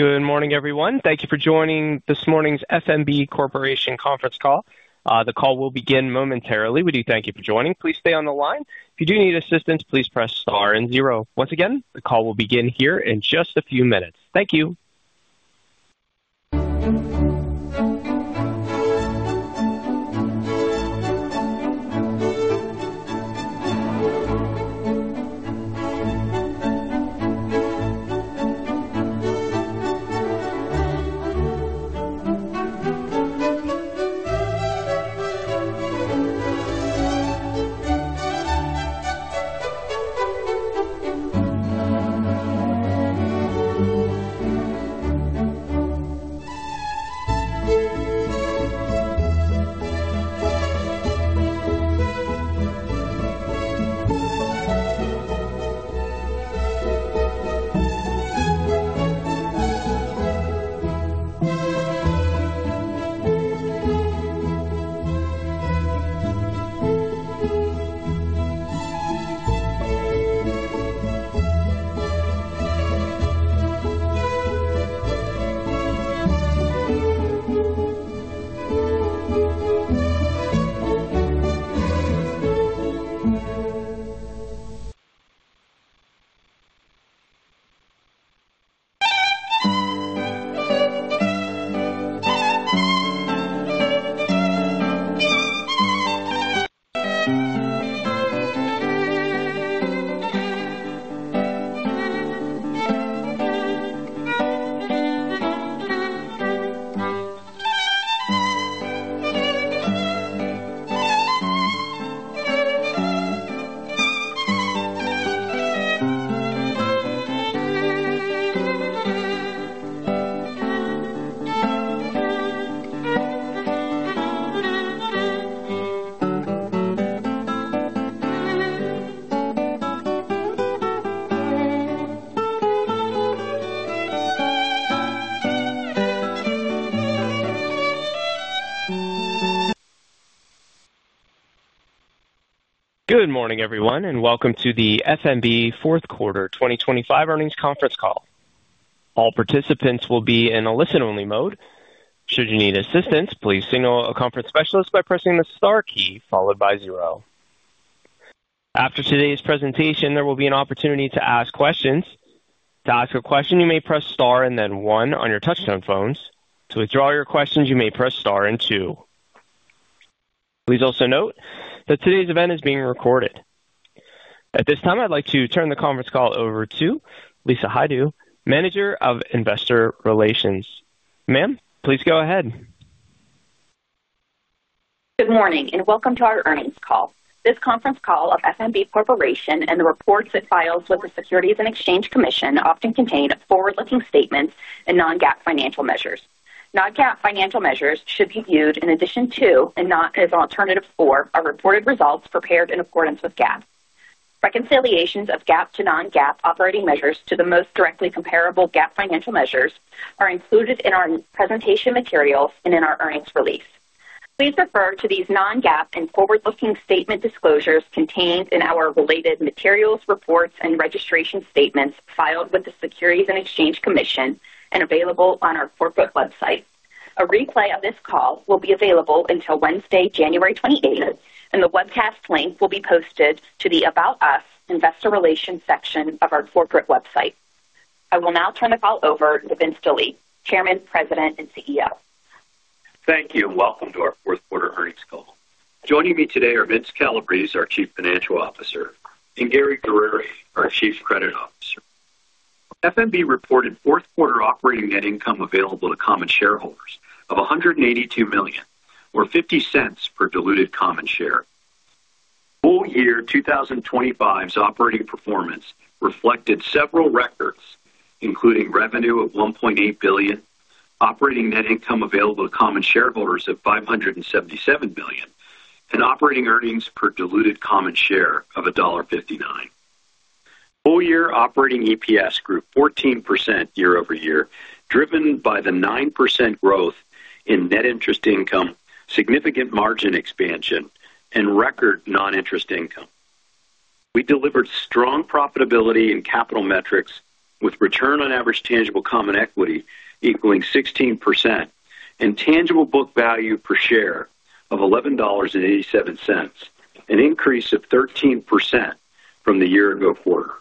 Good morning, everyone. Thank you for joining this morning's F.N.B. Corporation conference call. The call will begin momentarily. We do thank you for joining. Please stay on the line. If you do need assistance, please press star and zero. Once again, the call will begin here in just a few minutes. Thank you. Good morning, everyone, and welcome to the F.N.B. fourth quarter 2025 earnings conference call. All participants will be in a listen-only mode. Should you need assistance, please signal a conference specialist by pressing the star key followed by zero. After today's presentation, there will be an opportunity to ask questions. To ask a question, you may press star and then one on your touch-tone phones. To withdraw your questions, you may press star and two. Please also note that today's event is being recorded. At this time, I'd like to turn the conference call over to Lisa Hajdu, Manager of Investor Relations. Ma'am, please go ahead. Good morning and welcome to our earnings call. This conference call of F.N.B. Corporation and the reports it files with the Securities and Exchange Commission often contain forward-looking statements and non-GAAP financial measures. Non-GAAP financial measures should be viewed in addition to, and not as an alternative for, our reported results prepared in accordance with GAAP. Reconciliations of GAAP to non-GAAP operating measures to the most directly comparable GAAP financial measures are included in our presentation materials and in our earnings release. Please refer to these non-GAAP and forward-looking statement disclosures contained in our related materials, reports, and registration statements filed with the Securities and Exchange Commission and available on our corporate website. A replay of this call will be available until Wednesday, January 28th, and the webcast link will be posted to the About Us Investor Relations section of our corporate website. I will now turn the call over to Vince Delie, Chairman, President, and CEO. Thank you and welcome to our fourth quarter earnings call. Joining me today are Vince Calabrese, our Chief Financial Officer, and Gary Guerrieri, our Chief Credit Officer. F.N.B. reported fourth quarter operating net income available to common shareholders of $182.50 per diluted common share. Full year 2025's operating performance reflected several records, including revenue of $1.8 billion, operating net income available to common shareholders of $577 million, and operating earnings per diluted common share of $1.59. Full year operating EPS grew 14% year over year, driven by the 9% growth in net interest income, significant margin expansion, and record non-interest income. We delivered strong profitability and capital metrics, with return on average tangible common equity equaling 16% and tangible book value per share of $11.87, an increase of 13% from the year-ago quarter.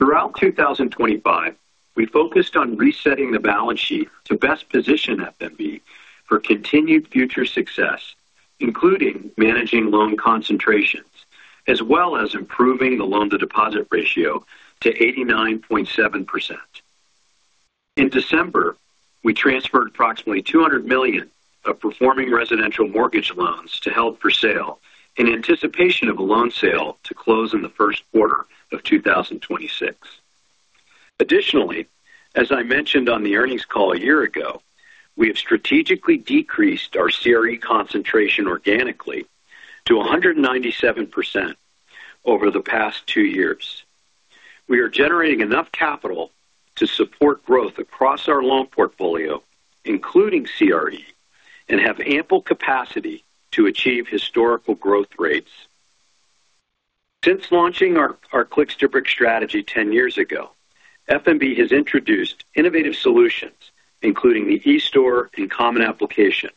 Throughout 2025, we focused on resetting the balance sheet to best position F.N.B. for continued future success, including managing loan concentrations, as well as improving the loan-to-deposit ratio to 89.7%. In December, we transferred approximately $200 million of performing residential mortgage loans to held for sale in anticipation of a loan sale to close in the first quarter of 2026. Additionally, as I mentioned on the earnings call a year ago, we have strategically decreased our CRE concentration organically to 197% over the past two years. We are generating enough capital to support growth across our loan portfolio, including CRE, and have ample capacity to achieve historical growth rates. Since launching our Clicks-to-Bricks strategy 10 years ago, F.N.B. has introduced innovative solutions, including the eStore and Common Application,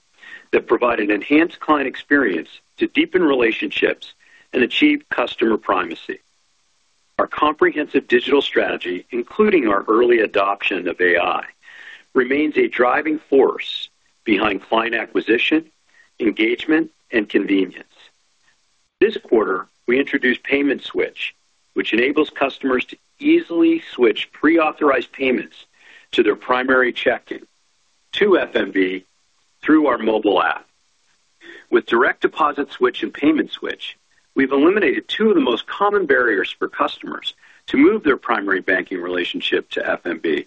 that provide an enhanced client experience to deepen relationships and achieve customer primacy. Our comprehensive digital strategy, including our early adoption of AI, remains a driving force behind client acquisition, engagement, and convenience. This quarter, we introduced Payment Switch, which enables customers to easily switch pre-authorized payments to their primary checking to F.N.B. through our mobile app. With Direct Deposit Switch and Payment Switch, we've eliminated two of the most common barriers for customers to move their primary banking relationship to F.N.B.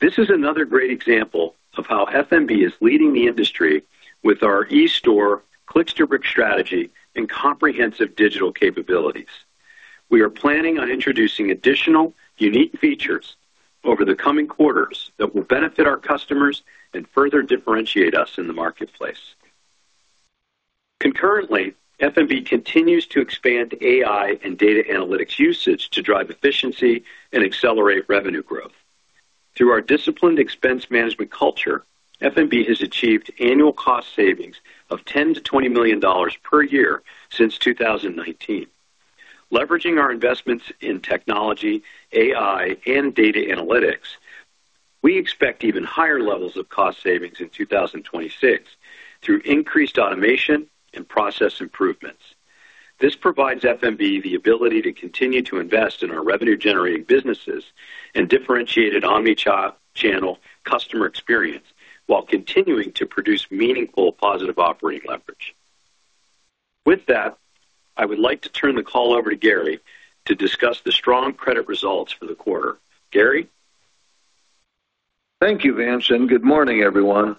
This is another great example of how F.N.B. is leading the industry with our eStore, Clicks-to-Bricks strategy, and comprehensive digital capabilities. We are planning on introducing additional unique features over the coming quarters that will benefit our customers and further differentiate us in the marketplace. Concurrently, F.N.B. continues to expand AI and data analytics usage to drive efficiency and accelerate revenue growth. Through our disciplined expense management culture, F.N.B. has achieved annual cost savings of $10 million-$20 million per year since 2019. Leveraging our investments in technology, AI, and data analytics, we expect even higher levels of cost savings in 2026 through increased automation and process improvements. This provides F.N.B. the ability to continue to invest in our revenue-generating businesses and differentiated omnichannel customer experience while continuing to produce meaningful positive operating leverage. With that, I would like to turn the call over to Gary to discuss the strong credit results for the quarter. Gary? Thank you, Vincent. Good morning, everyone.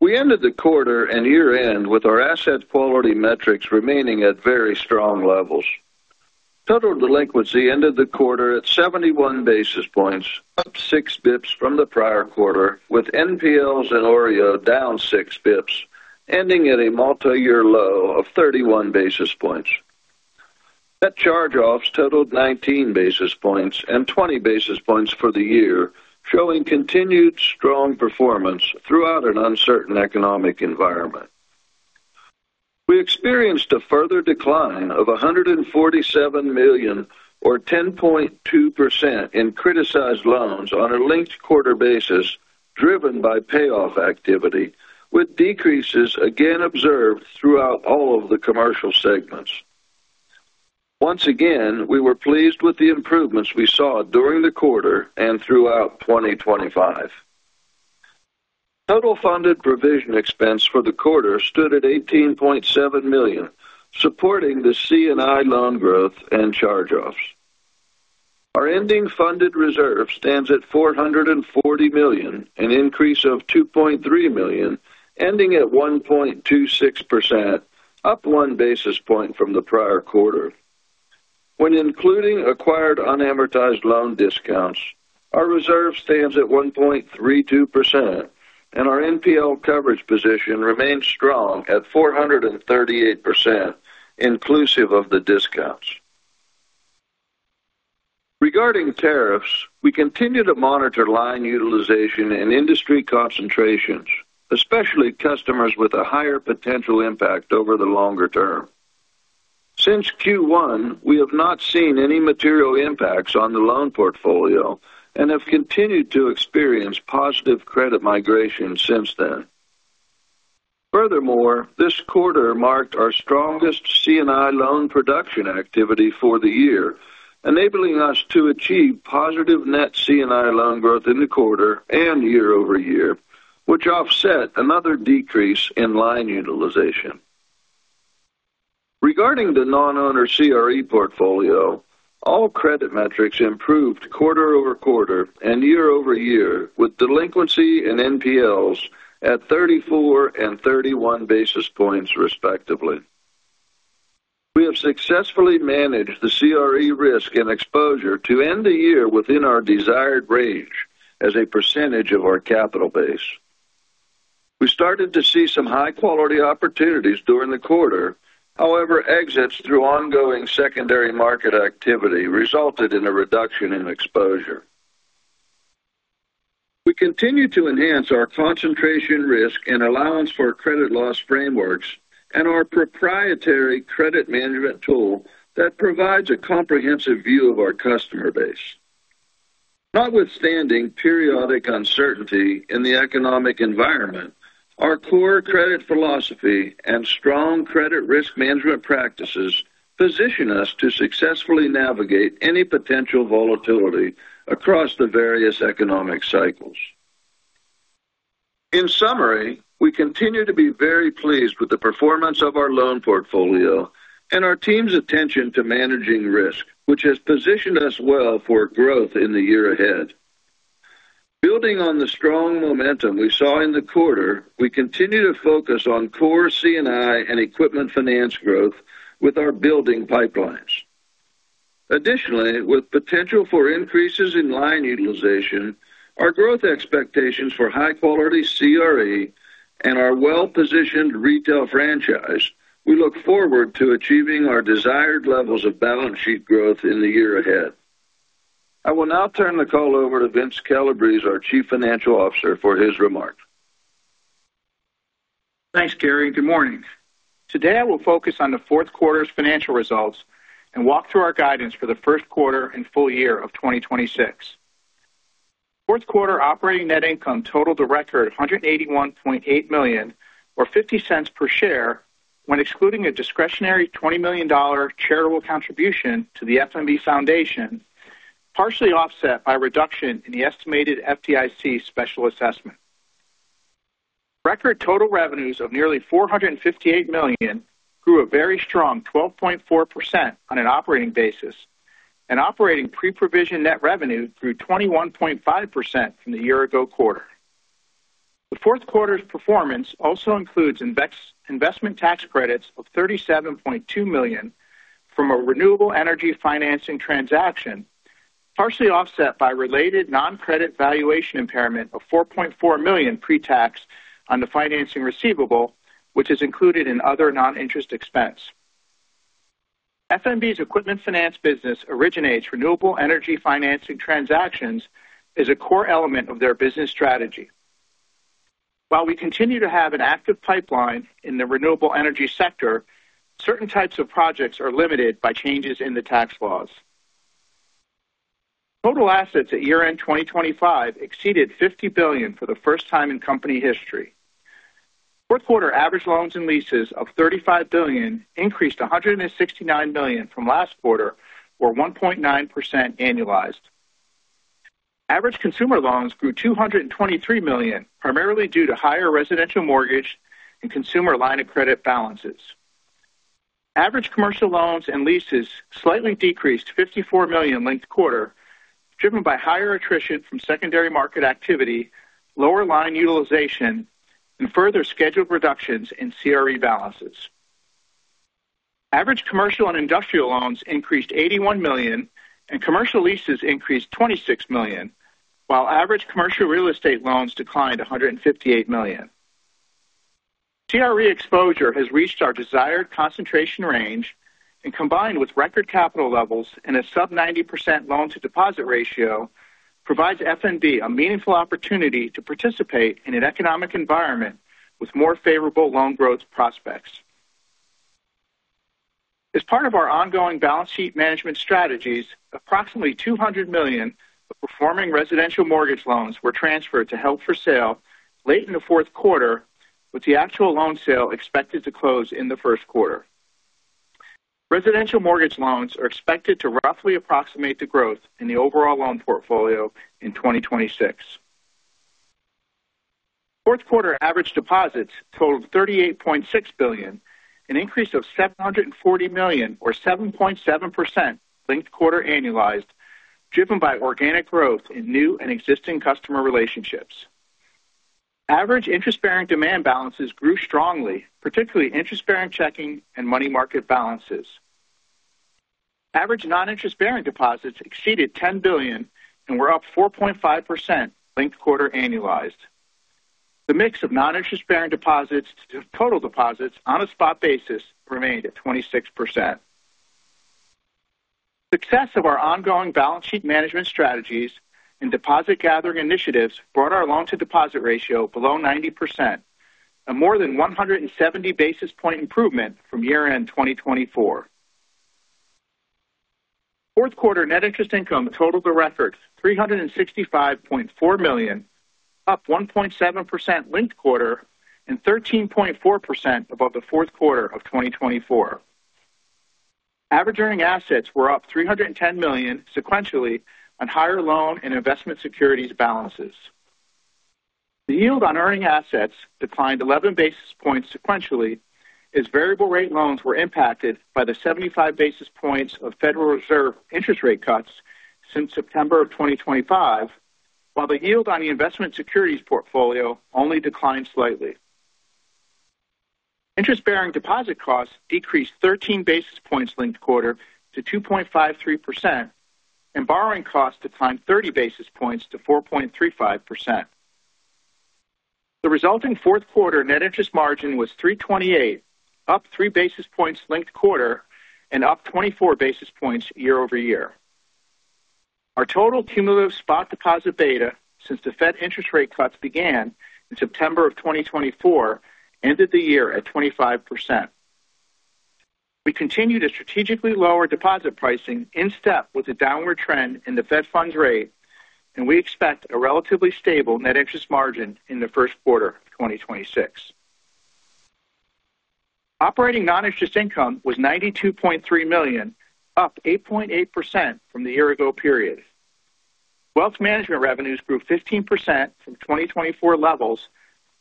We ended the quarter and year-end with our asset quality metrics remaining at very strong levels. Total delinquency ended the quarter at 71 basis points, up six basis points from the prior quarter, with NPLs and OREO down six basis points, ending at a multi-year low of 31 basis points. Net charge-offs totaled 19 basis points and 20 basis points for the year, showing continued strong performance throughout an uncertain economic environment. We experienced a further decline of $147 million, or 10.2%, in criticized loans on a linked quarter basis, driven by payoff activity, with decreases again observed throughout all of the commercial segments. Once again, we were pleased with the improvements we saw during the quarter and throughout 2025. Total funded provision expense for the quarter stood at $18.7 million, supporting the C&I loan growth and charge-offs. Our ending funded reserve stands at $440 million, an increase of $2.3 million, ending at 1.26%, up one basis point from the prior quarter. When including acquired unamortized loan discounts, our reserve stands at 1.32%, and our NPL coverage position remains strong at 438%, inclusive of the discounts. Regarding tariffs, we continue to monitor line utilization and industry concentrations, especially customers with a higher potential impact over the longer term. Since Q1, we have not seen any material impacts on the loan portfolio and have continued to experience positive credit migration since then. Furthermore, this quarter marked our strongest C&I loan production activity for the year, enabling us to achieve positive net C&I loan growth in the quarter and year-over-year, which offset another decrease in line utilization. Regarding the non-owner CRE portfolio, all credit metrics improved quarter over quarter and year over year, with delinquency and NPLs at 34 and 31 basis points, respectively. We have successfully managed the CRE risk and exposure to end the year within our desired range as a percentage of our capital base. We started to see some high-quality opportunities during the quarter. However, exits through ongoing secondary market activity resulted in a reduction in exposure. We continue to enhance our concentration risk and allowance for credit loss frameworks and our proprietary credit management tool that provides a comprehensive view of our customer base. Notwithstanding periodic uncertainty in the economic environment, our core credit philosophy and strong credit risk management practices position us to successfully navigate any potential volatility across the various economic cycles. In summary, we continue to be very pleased with the performance of our loan portfolio and our team's attention to managing risk, which has positioned us well for growth in the year ahead. Building on the strong momentum we saw in the quarter, we continue to focus on core C&I and equipment finance growth with our building pipelines. Additionally, with potential for increases in line utilization, our growth expectations for high-quality CRE and our well-positioned retail franchise, we look forward to achieving our desired levels of balance sheet growth in the year ahead. I will now turn the call over to Vince Calabrese, our Chief Financial Officer, for his remarks. Thanks, Gary. Good morning. Today, I will focus on the fourth quarter's financial results and walk through our guidance for the first quarter and full year of 2026. Fourth quarter operating net income totaled to record $181.8 million, or $0.50 per share, when excluding a discretionary $20 million charitable contribution to the F.N.B. Foundation, partially offset by a reduction in the estimated FDIC special assessment. Record total revenues of nearly $458 million grew a very strong 12.4% on an operating basis, and operating pre-provision net revenue grew 21.5% from the year-ago quarter. The fourth quarter's performance also includes investment tax credits of $37.2 million from a renewable energy financing transaction, partially offset by related non-credit valuation impairment of $4.4 million pre-tax on the financing receivable, which is included in other non-interest expense. F.N.B.'s equipment finance business originates renewable energy financing transactions as a core element of their business strategy. While we continue to have an active pipeline in the renewable energy sector, certain types of projects are limited by changes in the tax laws. Total assets at year-end 2025 exceeded $50 billion for the first time in company history. Fourth quarter average loans and leases of $35 billion increased $169 million from last quarter, or 1.9% annualized. Average consumer loans grew $223 million, primarily due to higher residential mortgage and consumer line of credit balances. Average commercial loans and leases slightly decreased $54 million linked quarter, driven by higher attrition from secondary market activity, lower line utilization, and further scheduled reductions in CRE balances. Average commercial and industrial loans increased $81 million, and commercial leases increased $26 million, while average commercial real estate loans declined $158 million. CRE exposure has reached our desired concentration range, and combined with record capital levels and a sub-90% loan-to-deposit ratio, provides F.N.B. A meaningful opportunity to participate in an economic environment with more favorable loan growth prospects. As part of our ongoing balance sheet management strategies, approximately $200 million of performing residential mortgage loans were transferred to held for sale late in the fourth quarter, with the actual loan sale expected to close in the first quarter. Residential mortgage loans are expected to roughly approximate the growth in the overall loan portfolio in 2026. Fourth quarter average deposits totaled $38.6 billion, an increase of $740 million, or 7.7% linked quarter annualized, driven by organic growth in new and existing customer relationships. Average interest-bearing demand balances grew strongly, particularly interest-bearing checking and money market balances. Average non-interest-bearing deposits exceeded $10 billion and were up 4.5% linked quarter annualized. The mix of non-interest-bearing deposits to total deposits on a spot basis remained at 26%. Success of our ongoing balance sheet management strategies and deposit gathering initiatives brought our loan-to-deposit ratio below 90%, a more than 170 basis point improvement from year-end 2024. Fourth quarter net interest income totaled to record $365.4 million, up 1.7% linked quarter and 13.4% above the fourth quarter of 2024. Average earning assets were up $310 million sequentially on higher loan and investment securities balances. The yield on earning assets declined 11 basis points sequentially as variable rate loans were impacted by the 75 basis points of Federal Reserve interest rate cuts since September of 2025, while the yield on the investment securities portfolio only declined slightly. Interest-bearing deposit costs decreased 13 basis points linked quarter to 2.53%, and borrowing costs declined 30 basis points to 4.35%. The resulting fourth quarter net interest margin was $328, up 3 basis points linked quarter and up 24 basis points year-over-year. Our total cumulative spot deposit beta since the Fed interest rate cuts began in September of 2024 ended the year at 25%. We continued to strategically lower deposit pricing in step with the downward trend in the Fed funds rate, and we expect a relatively stable net interest margin in the first quarter of 2026. Operating non-interest income was $92.3 million, up 8.8% from the year-ago period. Wealth management revenues grew 15% from 2024 levels,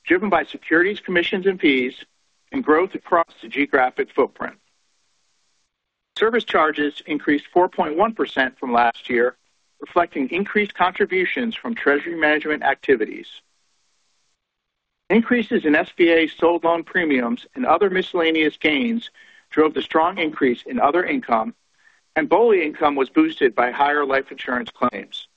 driven by securities, commissions, and fees, and growth across the geographic footprint. Service charges increased 4.1% from last year, reflecting increased contributions from treasury management activities. Increases in SBA sold loan premiums and other miscellaneous gains drove the strong increase in other income, and BOLI income was boosted by higher life insurance claims.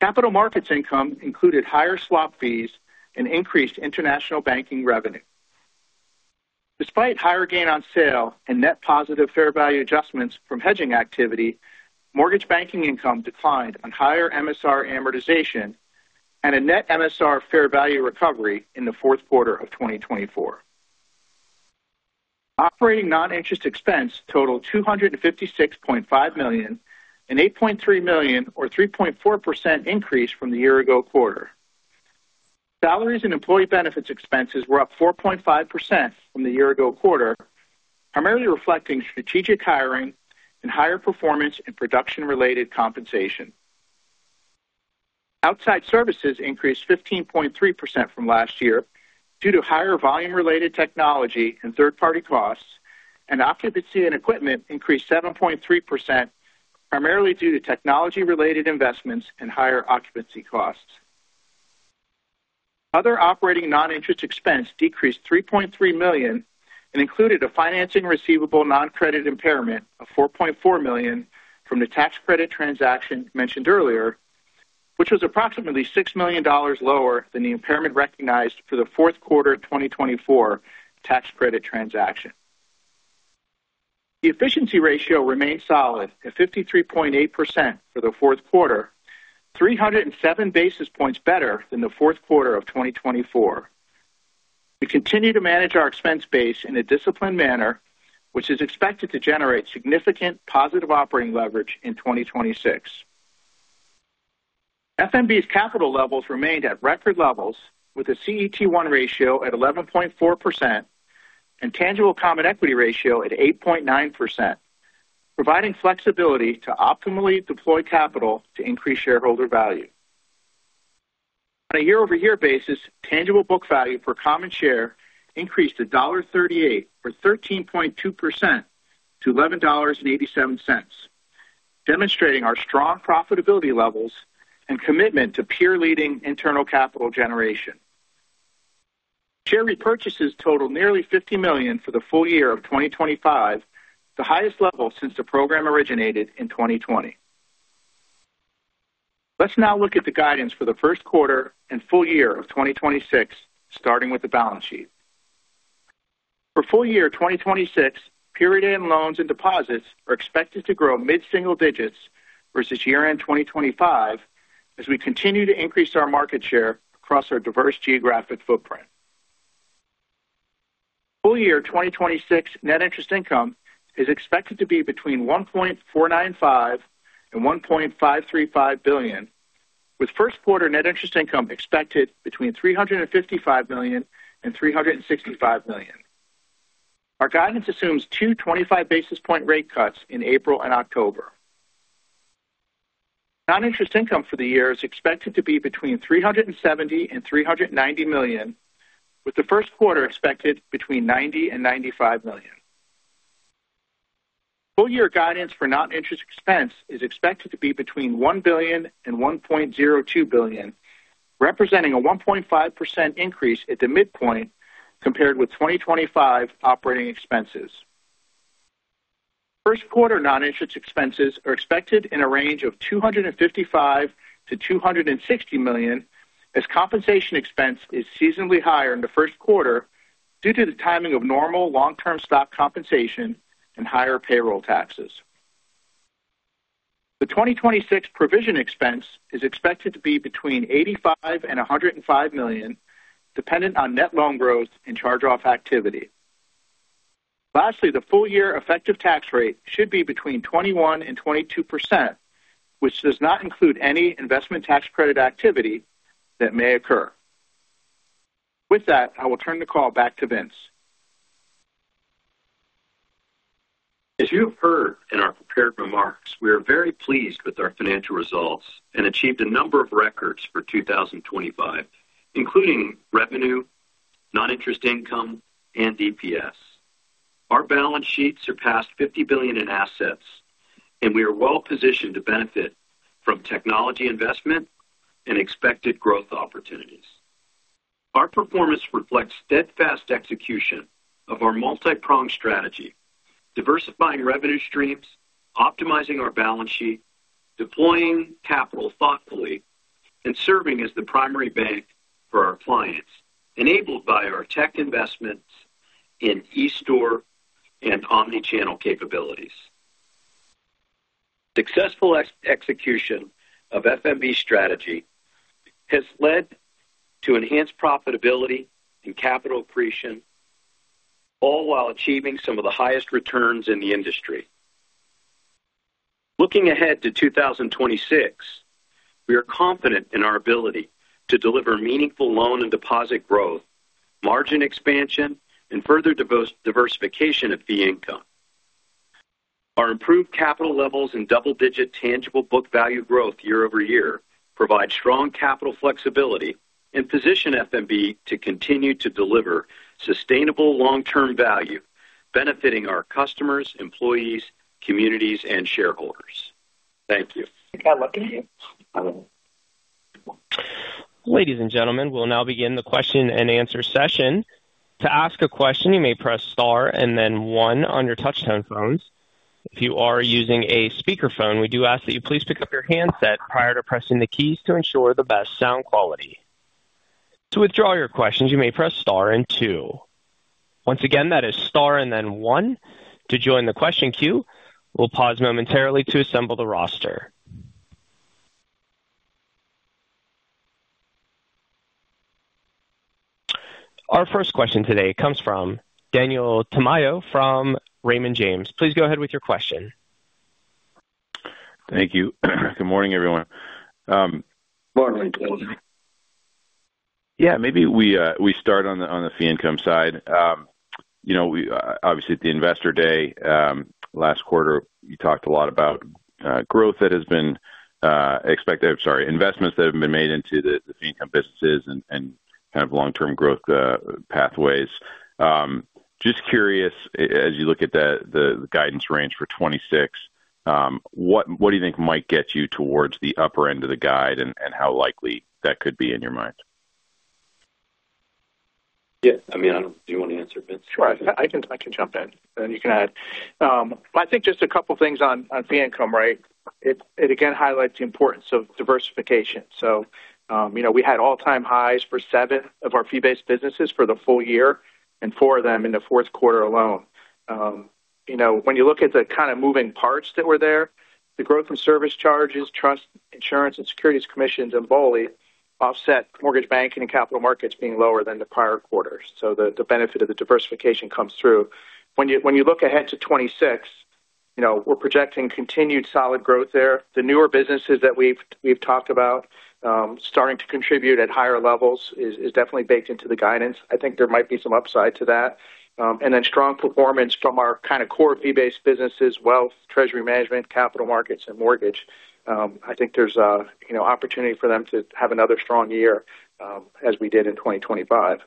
Capital markets income included higher swap fees and increased international banking revenue. Despite higher gain on sale and net positive fair value adjustments from hedging activity, mortgage banking income declined on higher MSR amortization and a net MSR fair value recovery in the fourth quarter of 2024. Operating non-interest expense totaled $256.5 million, an $8.3 million, or 3.4% increase from the year-ago quarter. Salaries and employee benefits expenses were up 4.5% from the year-ago quarter, primarily reflecting strategic hiring and higher performance in production-related compensation. Outside services increased 15.3% from last year due to higher volume-related technology and third-party costs, and occupancy and equipment increased 7.3%, primarily due to technology-related investments and higher occupancy costs. Other operating non-interest expense decreased $3.3 million and included a financing receivable non-credit impairment of $4.4 million from the tax credit transaction mentioned earlier, which was approximately $6 million lower than the impairment recognized for the fourth quarter 2024 tax credit transaction. The efficiency ratio remained solid at 53.8% for the fourth quarter, 307 basis points better than the fourth quarter of 2024. We continue to manage our expense base in a disciplined manner, which is expected to generate significant positive operating leverage in 2026. F.N.B.'s capital levels remained at record levels, with a CET1 ratio at 11.4% and tangible common equity ratio at 8.9%, providing flexibility to optimally deploy capital to increase shareholder value. On a year-over-year basis, tangible book value per common share increased to $1.38, or 13.2%, to $11.87, demonstrating our strong profitability levels and commitment to peer-leading internal capital generation. Share repurchases totaled nearly $50 million for the full year of 2025, the highest level since the program originated in 2020. Let's now look at the guidance for the first quarter and full year of 2026, starting with the balance sheet. For full year 2026, period-end loans and deposits are expected to grow mid-single digits versus year-end 2025 as we continue to increase our market share across our diverse geographic footprint. Full year 2026 net interest income is expected to be between $1.495 and $1.535 billion, with first quarter net interest income expected between $355 million and $365 million. Our guidance assumes two 25 basis point rate cuts in April and October. Non-interest income for the year is expected to be between $370 and $390 million, with the first quarter expected between $90 and $95 million. Full year guidance for non-interest expense is expected to be between $1 billion and $1.02 billion, representing a 1.5% increase at the midpoint compared with 2025 operating expenses. First quarter non-interest expenses are expected in a range of $255-$260 million as compensation expense is seasonally higher in the first quarter due to the timing of normal long-term stock compensation and higher payroll taxes. The 2026 provision expense is expected to be between $85 and $105 million, dependent on net loan growth and charge-off activity. Lastly, the full year effective tax rate should be between 21 and 22%, which does not include any Investment Tax Credit activity that may occur. With that, I will turn the call back to Vince. As you have heard in our prepared remarks, we are very pleased with our financial results and achieved a number of records for 2025, including revenue, non-interest income, and EPS. Our balance sheet surpassed $50 billion in assets, and we are well-positioned to benefit from technology investment and expected growth opportunities. Our performance reflects steadfast execution of our multi-pronged strategy, diversifying revenue streams, optimizing our balance sheet, deploying capital thoughtfully, and serving as the primary bank for our clients, enabled by our tech investments in eStore and omnichannel capabilities. Successful execution of F.N.B.'s strategy has led to enhanced profitability and capital accretion, all while achieving some of the highest returns in the industry. Looking ahead to 2026, we are confident in our ability to deliver meaningful loan and deposit growth, margin expansion, and further diversification of fee income. Our improved capital levels and double-digit tangible book value growth year-over-year provide strong capital flexibility and position F.N.B. to continue to deliver sustainable long-term value, benefiting our customers, employees, communities, and shareholders. Thank you. Thank you. Ladies and gentlemen, we'll now begin the question and answer session. To ask a question, you may press Star and then one on your touch-tone phones. If you are using a speakerphone, we do ask that you please pick up your handset prior to pressing the keys to ensure the best sound quality. To withdraw your questions, you may press Star and two. Once again, that is Star and then one to join the question queue. We'll pause momentarily to assemble the roster. Our first question today comes from Daniel Tamayo from Raymond James. Please go ahead with your question. Thank you. Good morning, everyone. Morning, David. Yeah, maybe we start on the fee income side. Obviously, at the Investor Day last quarter, you talked a lot about growth that has been expected, sorry, investments that have been made into the fee income businesses and kind of long-term growth pathways. Just curious, as you look at the guidance range for 2026, what do you think might get you towards the upper end of the guide and how likely that could be in your mind? Yeah, I mean, I don't know. Do you want to answer, Vince? Sure. I can jump in, and you can add. I think just a couple of things on fee income, right? It, again, highlights the importance of diversification. So we had all-time highs for seven of our fee-based businesses for the full year and four of them in the fourth quarter alone. When you look at the kind of moving parts that were there, the growth in service charges, trust, insurance, and securities commissions in BOLI offset mortgage banking and capital markets being lower than the prior quarter. So the benefit of the diversification comes through. When you look ahead to 2026, we're projecting continued solid growth there. The newer businesses that we've talked about starting to contribute at higher levels is definitely baked into the guidance. I think there might be some upside to that. and then strong performance from our kind of core fee-based businesses, wealth, treasury management, capital markets, and mortgage. I think there's opportunity for them to have another strong year as we did in 2025.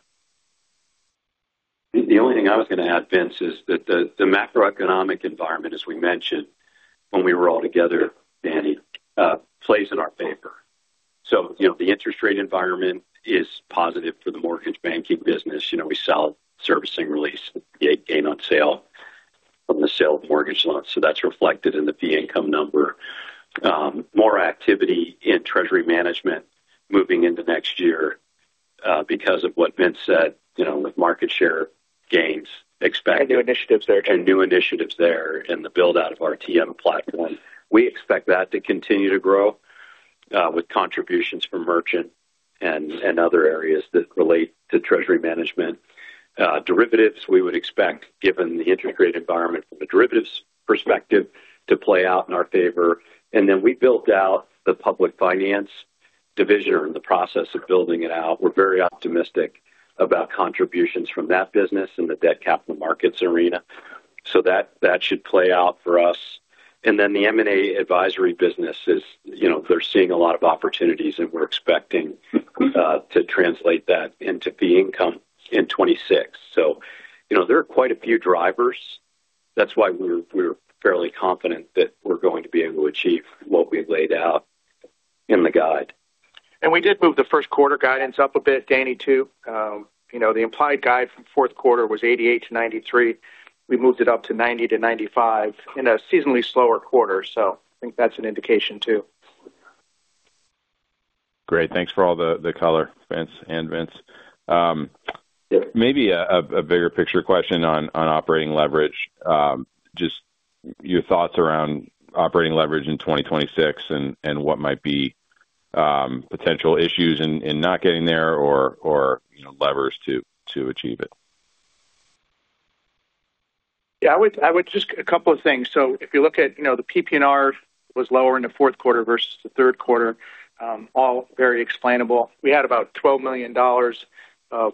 The only thing I was going to add, Vince, is that the macroeconomic environment, as we mentioned when we were all together, Danny, plays in our favor. So the interest rate environment is positive for the mortgage banking business. We sell servicing, release, gain on sale from the sale of mortgage loans. So that's reflected in the fee income number. More activity in treasury management moving into next year because of what Vince said with market share gains expected. New initiatives there, too. And new initiatives there and the build-out of our TM platform. We expect that to continue to grow with contributions from merchant and other areas that relate to treasury management. Derivatives, we would expect, given the interest rate environment from a derivatives perspective, to play out in our favor. And then we built out the public finance division or in the process of building it out. We're very optimistic about contributions from that business in the debt capital markets arena. So that should play out for us. And then the M&A advisory businesses, they're seeing a lot of opportunities, and we're expecting to translate that into fee income in 2026. So there are quite a few drivers. That's why we're fairly confident that we're going to be able to achieve what we've laid out in the guide. We did move the first quarter guidance up a bit, Danny, too. The implied guide from fourth quarter was 88-93. We moved it up to 90-95 in a seasonally slower quarter. I think that's an indication, too. Great. Thanks for all the color, Vince and Vince. Maybe a bigger picture question on operating leverage. Just your thoughts around operating leverage in 2026 and what might be potential issues in not getting there or levers to achieve it? Yeah, I would just say a couple of things. So if you look at the PPNR was lower in the fourth quarter versus the third quarter, all very explainable. We had about $12 million of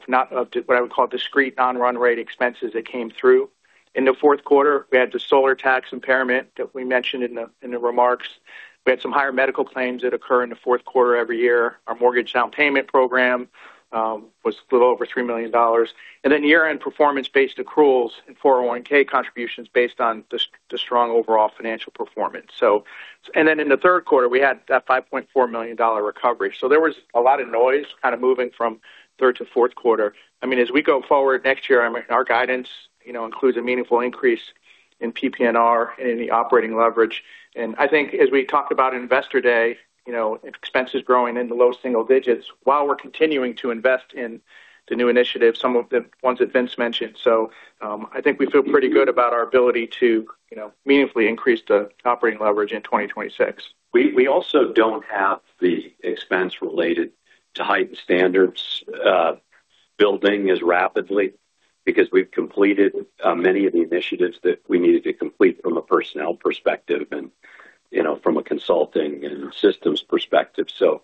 what I would call discrete non-run rate expenses that came through in the fourth quarter. We had the solar tax impairment that we mentioned in the remarks. We had some higher medical claims that occur in the fourth quarter every year. Our mortgage down payment program was a little over $3 million. And then year-end performance-based accruals and 401(k) contributions based on the strong overall financial performance. And then in the third quarter, we had that $5.4 million recovery. So there was a lot of noise kind of moving from third to fourth quarter. I mean, as we go forward next year, our guidance includes a meaningful increase in PPNR and in the operating leverage. And I think as we talked about Investor Day, expenses growing in the low single digits while we're continuing to invest in the new initiatives, some of the ones that Vince mentioned. So I think we feel pretty good about our ability to meaningfully increase the operating leverage in 2026. We also don't have the expense related to Heightened Standards building as rapidly because we've completed many of the initiatives that we needed to complete from a personnel perspective and from a consulting and systems perspective so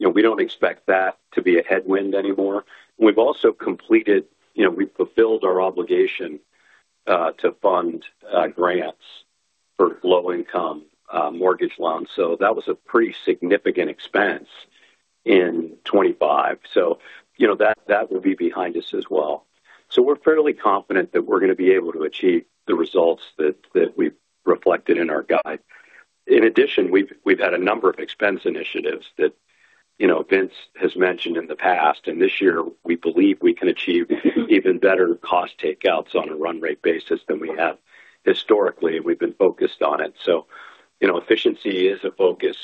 we don't expect that to be a headwind anymore. We've also completed. We've fulfilled our obligation to fund grants for low-income mortgage loans so that was a pretty significant expense in 2025 so that will be behind us as well so we're fairly confident that we're going to be able to achieve the results that we've reflected in our guide. In addition, we've had a number of expense initiatives that Vince has mentioned in the past and this year, we believe we can achieve even better cost takeouts on a run rate basis than we have historically. We've been focused on it so efficiency is a focus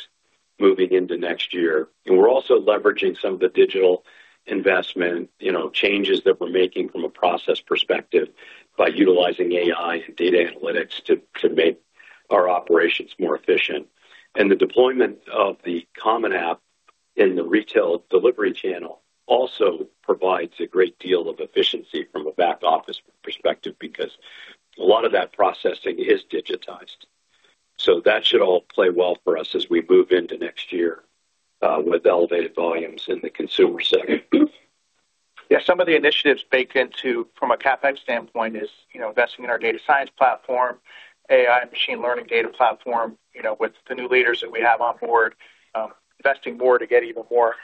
moving into next year. And we're also leveraging some of the digital investment changes that we're making from a process perspective by utilizing AI and data analytics to make our operations more efficient. And the deployment of the Common App in the retail delivery channel also provides a great deal of efficiency from a back office perspective because a lot of that processing is digitized. So that should all play well for us as we move into next year with elevated volumes in the consumer segment. Yeah, some of the initiatives baked into from a CapEx standpoint is investing in our data science platform, AI and machine learning data platform with the new leaders that we have on board. Investing more to get even more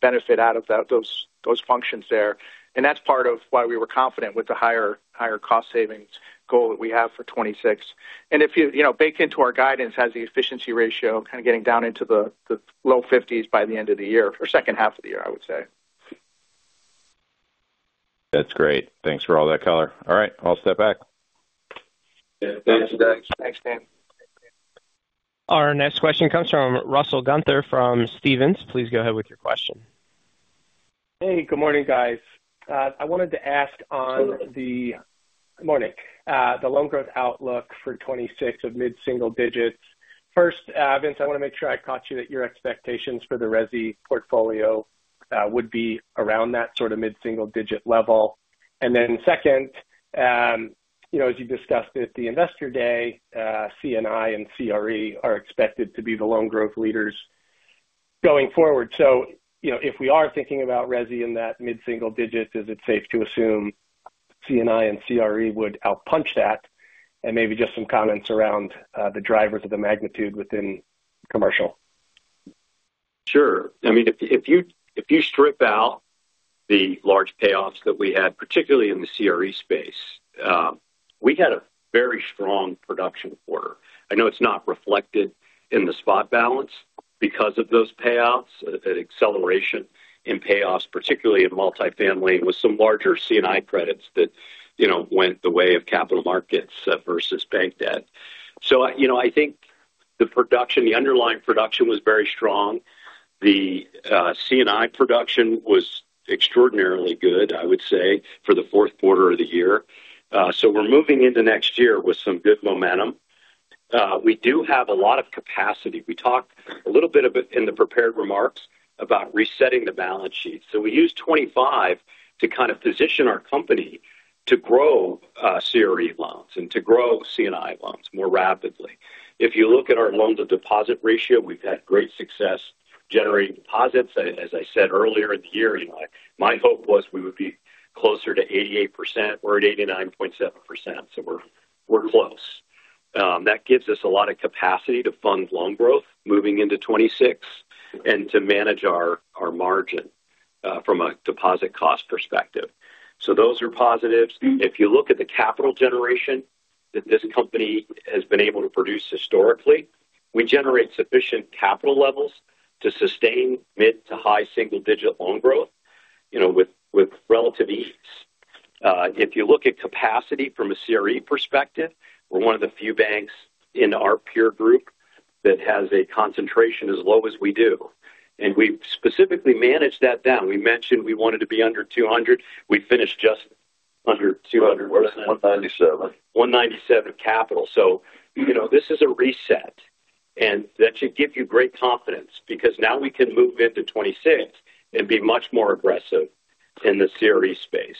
benefit out of those functions there. And that's part of why we were confident with the higher cost savings goal that we have for 2026. And if you bake into our guidance, it has the efficiency ratio kind of getting down into the low 50s by the end of the year or second half of the year, I would say. That's great. Thanks for all that color. All right, I'll step back. Thanks, Dave. Thanks, Dan. Our next question comes from Russell Gunther from Stephens. Please go ahead with your question. Hey, good morning, guys. I wanted to ask about the loan growth outlook for 2026 of mid-single digits. First, Vince, I want to make sure I caught that your expectations for the Resi portfolio would be around that sort of mid-single digit level. And then second, as you discussed at the investor day, C&I and CRE are expected to be the loan growth leaders going forward. So if we are thinking about Resi in that mid-single digit, is it safe to assume C&I and CRE would outpace that? And maybe just some comments around the drivers of the magnitude within commercial. Sure. I mean, if you strip out the large payoffs that we had, particularly in the CRE space, we had a very strong production quarter. I know it's not reflected in the spot balance because of those payouts, acceleration in payoffs, particularly in multifamily with some larger C&I credits that went the way of capital markets versus bank debt. So I think the production, the underlying production was very strong. The C&I production was extraordinarily good, I would say, for the fourth quarter of the year. So we're moving into next year with some good momentum. We do have a lot of capacity. We talked a little bit in the prepared remarks about resetting the balance sheet. So we used 2025 to kind of position our company to grow CRE loans and to grow C&I loans more rapidly. If you look at our loan-to-deposit ratio, we've had great success generating deposits. As I said earlier in the year, my hope was we would be closer to 88%. We're at 89.7%. So we're close. That gives us a lot of capacity to fund loan growth moving into 2026 and to manage our margin from a deposit cost perspective. So those are positives. If you look at the capital generation that this company has been able to produce historically, we generate sufficient capital levels to sustain mid to high single-digit loan growth with relative ease. If you look at capacity from a CRE perspective, we're one of the few banks in our peer group that has a concentration as low as we do. And we've specifically managed that down. We mentioned we wanted to be under 200. We finished just under 200%. 197. 197 capital, so this is a reset, and that should give you great confidence because now we can move into 2026 and be much more aggressive in the CRE space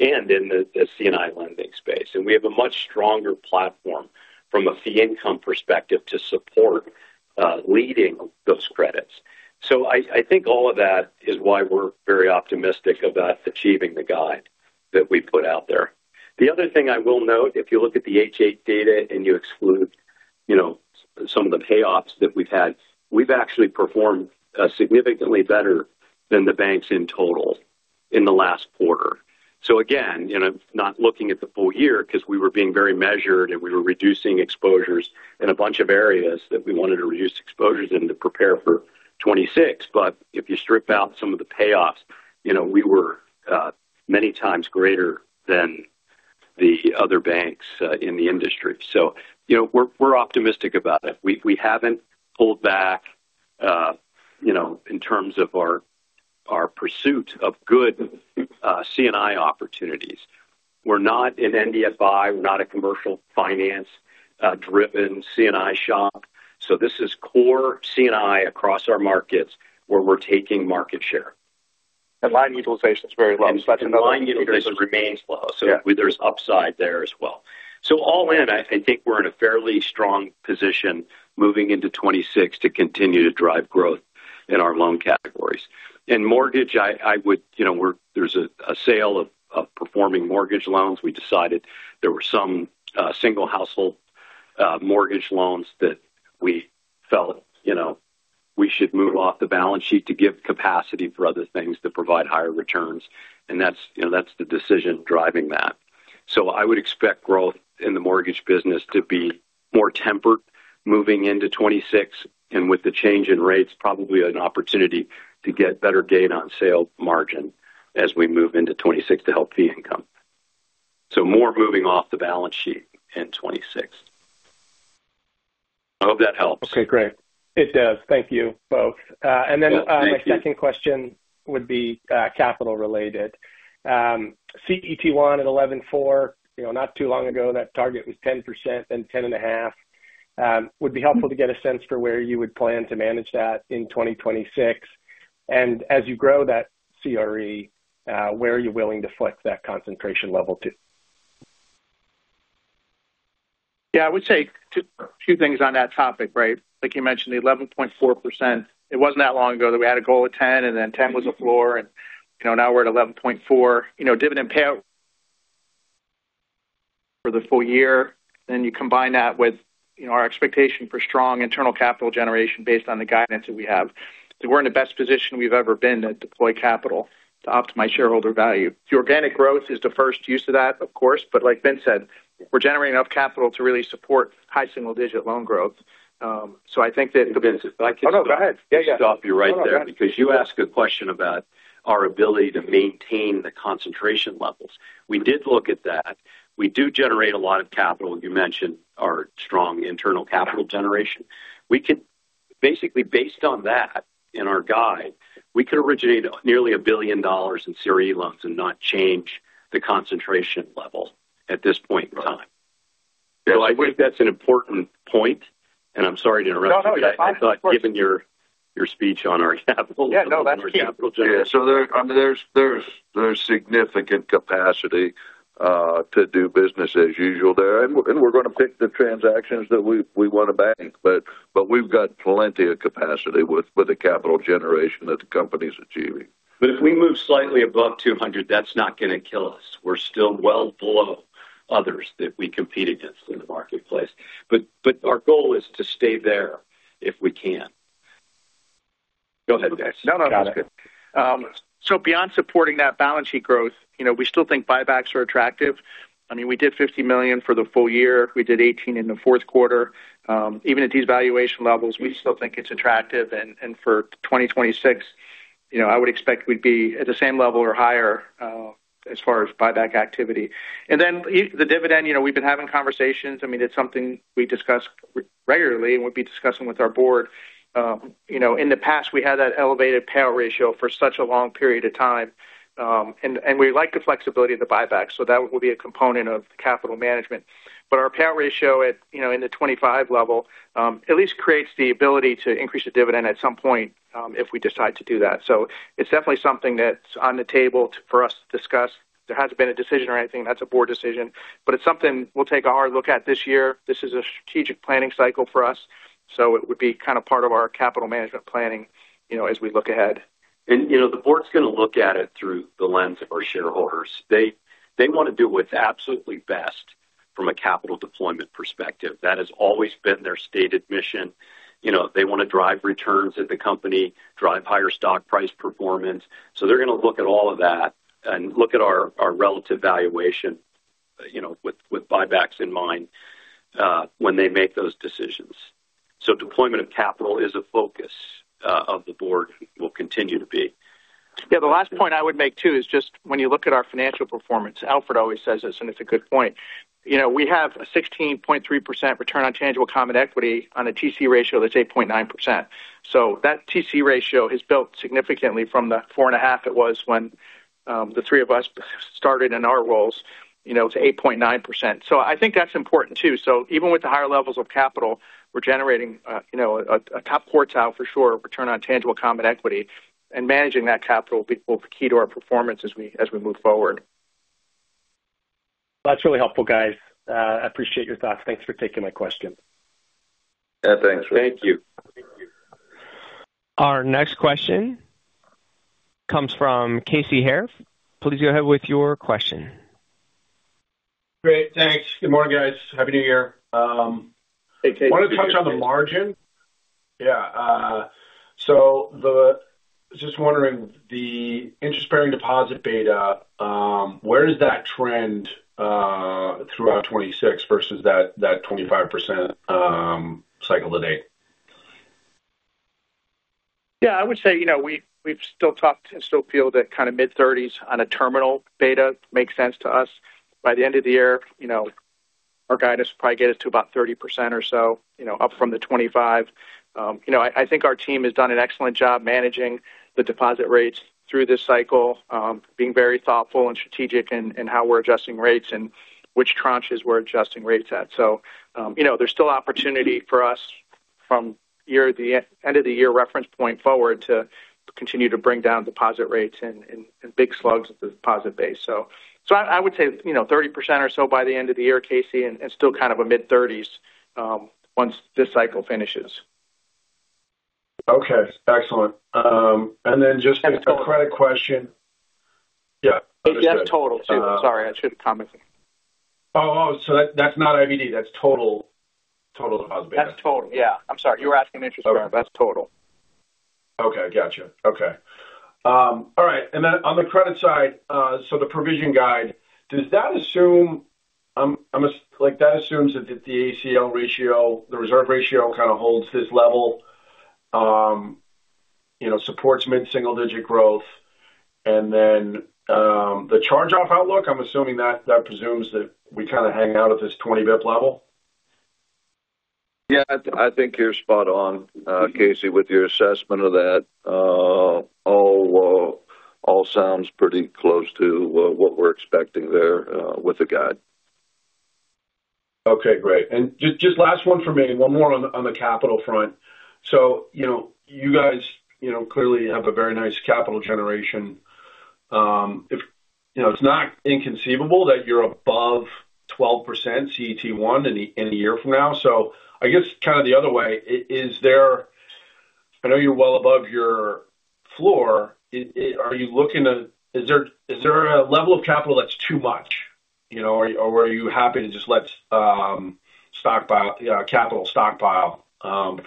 and in the C&I lending space, and we have a much stronger platform from a fee income perspective to support lending those credits, so I think all of that is why we're very optimistic about achieving the guide that we put out there. The other thing I will note, if you look at the H.8 data and you exclude some of the payoffs that we've had, we've actually performed significantly better than the banks in total in the last quarter, so again, not looking at the full year because we were being very measured and we were reducing exposures in a bunch of areas that we wanted to reduce exposures in to prepare for 2026. But if you strip out some of the payoffs, we were many times greater than the other banks in the industry. So we're optimistic about it. We haven't pulled back in terms of our pursuit of good C&I opportunities. We're not an NBFI. We're not a commercial finance-driven C&I shop. So this is core C&I across our markets where we're taking market share. Line utilization is very low. Line utilization remains low. So there's upside there as well. So all in, I think we're in a fairly strong position moving into 2026 to continue to drive growth in our loan categories. And mortgage, I would there's a sale of performing mortgage loans. We decided there were some single household mortgage loans that we felt we should move off the balance sheet to give capacity for other things to provide higher returns. And that's the decision driving that. So I would expect growth in the mortgage business to be more tempered moving into 2026. And with the change in rates, probably an opportunity to get better gain on sale margin as we move into 2026 to help fee income. So more moving off the balance sheet in 2026. I hope that helps. Okay, great. It does. Thank you both. And then my second question would be capital-related. CET1 at 11.4%. Not too long ago, that target was 10%, then 10.5%. Would be helpful to get a sense for where you would plan to manage that in 2026. And as you grow that CRE, where are you willing to foot that concentration level to? Yeah, I would say two things on that topic, right? Like you mentioned, the 11.4%, it wasn't that long ago that we had a goal of 10%, and then 10% was a floor. And now we're at 11.4%. Dividend payout for the full year. Then you combine that with our expectation for strong internal capital generation based on the guidance that we have. So we're in the best position we've ever been to deploy capital to optimize shareholder value. The organic growth is the first use of that, of course. But like Ben said, we're generating enough capital to really support high single-digit loan growth. So I think that. Vince, if I could. Oh, no, go ahead. Yeah, yeah. Stop you right there because you asked a question about our ability to maintain the concentration levels. We did look at that. We do generate a lot of capital. You mentioned our strong internal capital generation. Basically, based on that in our guide, we could originate nearly $1 billion in CRE loans and not change the concentration level at this point in time. So I think that's an important point. And I'm sorry to interrupt you. I thought given your speech on our capital generation. Yeah, no, that's good, so there's significant capacity to do business as usual there, and we're going to pick the transactions that we want to bank, but we've got plenty of capacity with the capital generation that the company's achieving. But if we move slightly above 200, that's not going to kill us. We're still well below others that we compete against in the marketplace. But our goal is to stay there if we can. Go ahead, Vince. No, no, no. So beyond supporting that balance sheet growth, we still think buybacks are attractive. I mean, we did $50 million for the full year. We did $18 million in the fourth quarter. Even at these valuation levels, we still think it's attractive. And for 2026, I would expect we'd be at the same level or higher as far as buyback activity. And then the dividend, we've been having conversations. I mean, it's something we discuss regularly and we'll be discussing with our board. In the past, we had that elevated payout ratio for such a long period of time. And we like the flexibility of the buyback. So that will be a component of capital management. But our payout ratio at the 25% level at least creates the ability to increase the dividend at some point if we decide to do that. It's definitely something that's on the table for us to discuss. There hasn't been a decision or anything. That's a board decision. But it's something we'll take a hard look at this year. This is a strategic planning cycle for us. It would be kind of part of our capital management planning as we look ahead. And the board's going to look at it through the lens of our shareholders. They want to do what's absolutely best from a capital deployment perspective. That has always been their stated mission. They want to drive returns at the company, drive higher stock price performance. So they're going to look at all of that and look at our relative valuation with buybacks in mind when they make those decisions. So deployment of capital is a focus of the board and will continue to be. Yeah, the last point I would make too is just when you look at our financial performance, Alpha always says this, and it's a good point. We have a 16.3% return on tangible common equity on a TC ratio that's 8.9%. So that TC ratio has built significantly from the 4.5% it was when the three of us started in our roles. It's 8.9%. So I think that's important too. So even with the higher levels of capital, we're generating a top quartile for sure of return on tangible common equity. And managing that capital will be key to our performance as we move forward. That's really helpful, guys. I appreciate your thoughts. Thanks for taking my question. Yeah, thanks. Thank you. Our next question comes from Casey Haire. Please go ahead with your question. Great. Thanks. Good morning, guys. Happy New Year. Hey, Casey. I want to touch on the margin. Yeah. So just wondering, the interest-bearing deposit beta, where does that trend throughout 2026 versus that 25% cycle today? Yeah, I would say we've still talked and still feel that kind of mid-30s on a terminal beta makes sense to us. By the end of the year, our guidance will probably get us to about 30% or so up from the 25%. I think our team has done an excellent job managing the deposit rates through this cycle, being very thoughtful and strategic in how we're adjusting rates and which tranches we're adjusting rates at. So there's still opportunity for us from the end of the year reference point forward to continue to bring down deposit rates and big slugs at the deposit base. So I would say 30% or so by the end of the year, Casey, and still kind of a mid-30s once this cycle finishes. Okay. Excellent. And then just a credit question. Yeah. It's total too. Sorry, I should have commented. Oh, so that's not IBD. That's total deposit beta. That's total. Yeah. I'm sorry. You were asking interest-bearing. That's total. Okay. Gotcha. Okay. All right. And then on the credit side, so the provision guide, does that assume that the ACL ratio, the reserve ratio kind of holds this level, supports mid-single-digit growth? And then the charge-off outlook, I'm assuming that presumes that we kind of hang out at this 20 basis point level? Yeah, I think you're spot on, Casey, with your assessment of that. All sounds pretty close to what we're expecting there with the guide. Okay, great, and just last one for me, one more on the capital front. So you guys clearly have a very nice capital generation. It's not inconceivable that you're above 12% CET1 in a year from now. So I guess kind of the other way, is there? I know you're well above your floor. Are you looking at? Is there a level of capital that's too much? Or are you happy to just let capital stockpile?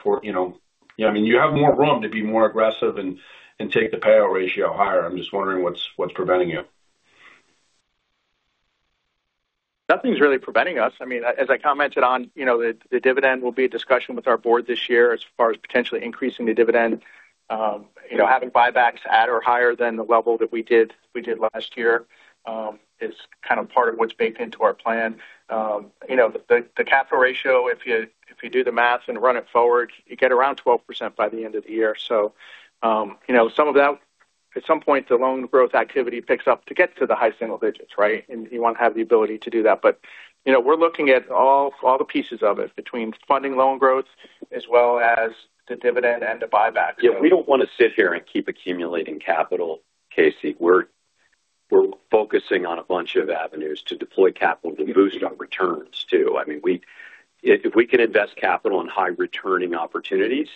For I mean, you have more room to be more aggressive and take the payout ratio higher. I'm just wondering what's preventing you. Nothing's really preventing us. I mean, as I commented on, the dividend will be a discussion with our board this year as far as potentially increasing the dividend. Having buybacks at or higher than the level that we did last year is kind of part of what's baked into our plan. The capital ratio, if you do the math and run it forward, you get around 12% by the end of the year, so some of that, at some point, the loan growth activity picks up to get to the high single digits, right, and you want to have the ability to do that, but we're looking at all the pieces of it between funding loan growth as well as the dividend and the buybacks. Yeah. We don't want to sit here and keep accumulating capital, Casey. We're focusing on a bunch of avenues to deploy capital to boost our returns too. I mean, if we can invest capital in high returning opportunities,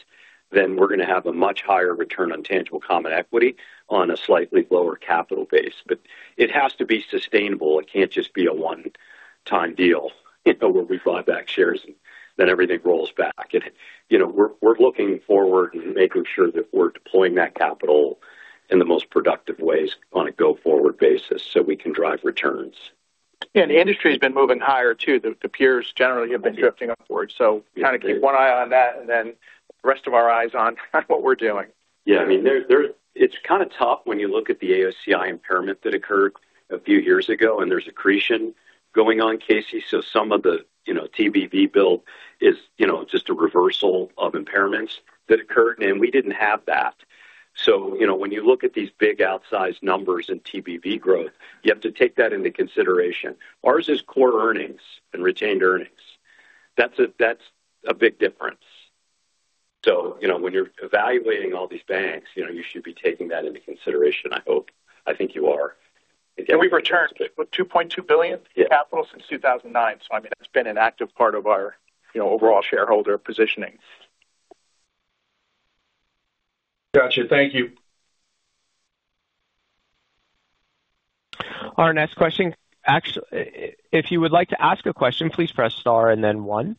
then we're going to have a much higher return on tangible common equity on a slightly lower capital base. But it has to be sustainable. It can't just be a one-time deal where we buy back shares and then everything rolls back. And we're looking forward and making sure that we're deploying that capital in the most productive ways on a go-forward basis so we can drive returns. Yeah. And the industry has been moving higher too. The peers generally have been drifting upward. So kind of keep one eye on that and then the rest of our eyes on what we're doing. Yeah. I mean, it's kind of tough when you look at the AOCI impairment that occurred a few years ago, and there's accretion going on, Casey. So some of the TBV build is just a reversal of impairments that occurred. And we didn't have that. So when you look at these big outsized numbers in TBV growth, you have to take that into consideration. Ours is core earnings and retained earnings. That's a big difference. So when you're evaluating all these banks, you should be taking that into consideration, I hope. I think you are. We've returned $2.2 billion capital since 2009. I mean, it's been an active part of our overall shareholder positioning. Gotcha. Thank you. Our next question. If you would like to ask a question, please press star and then one.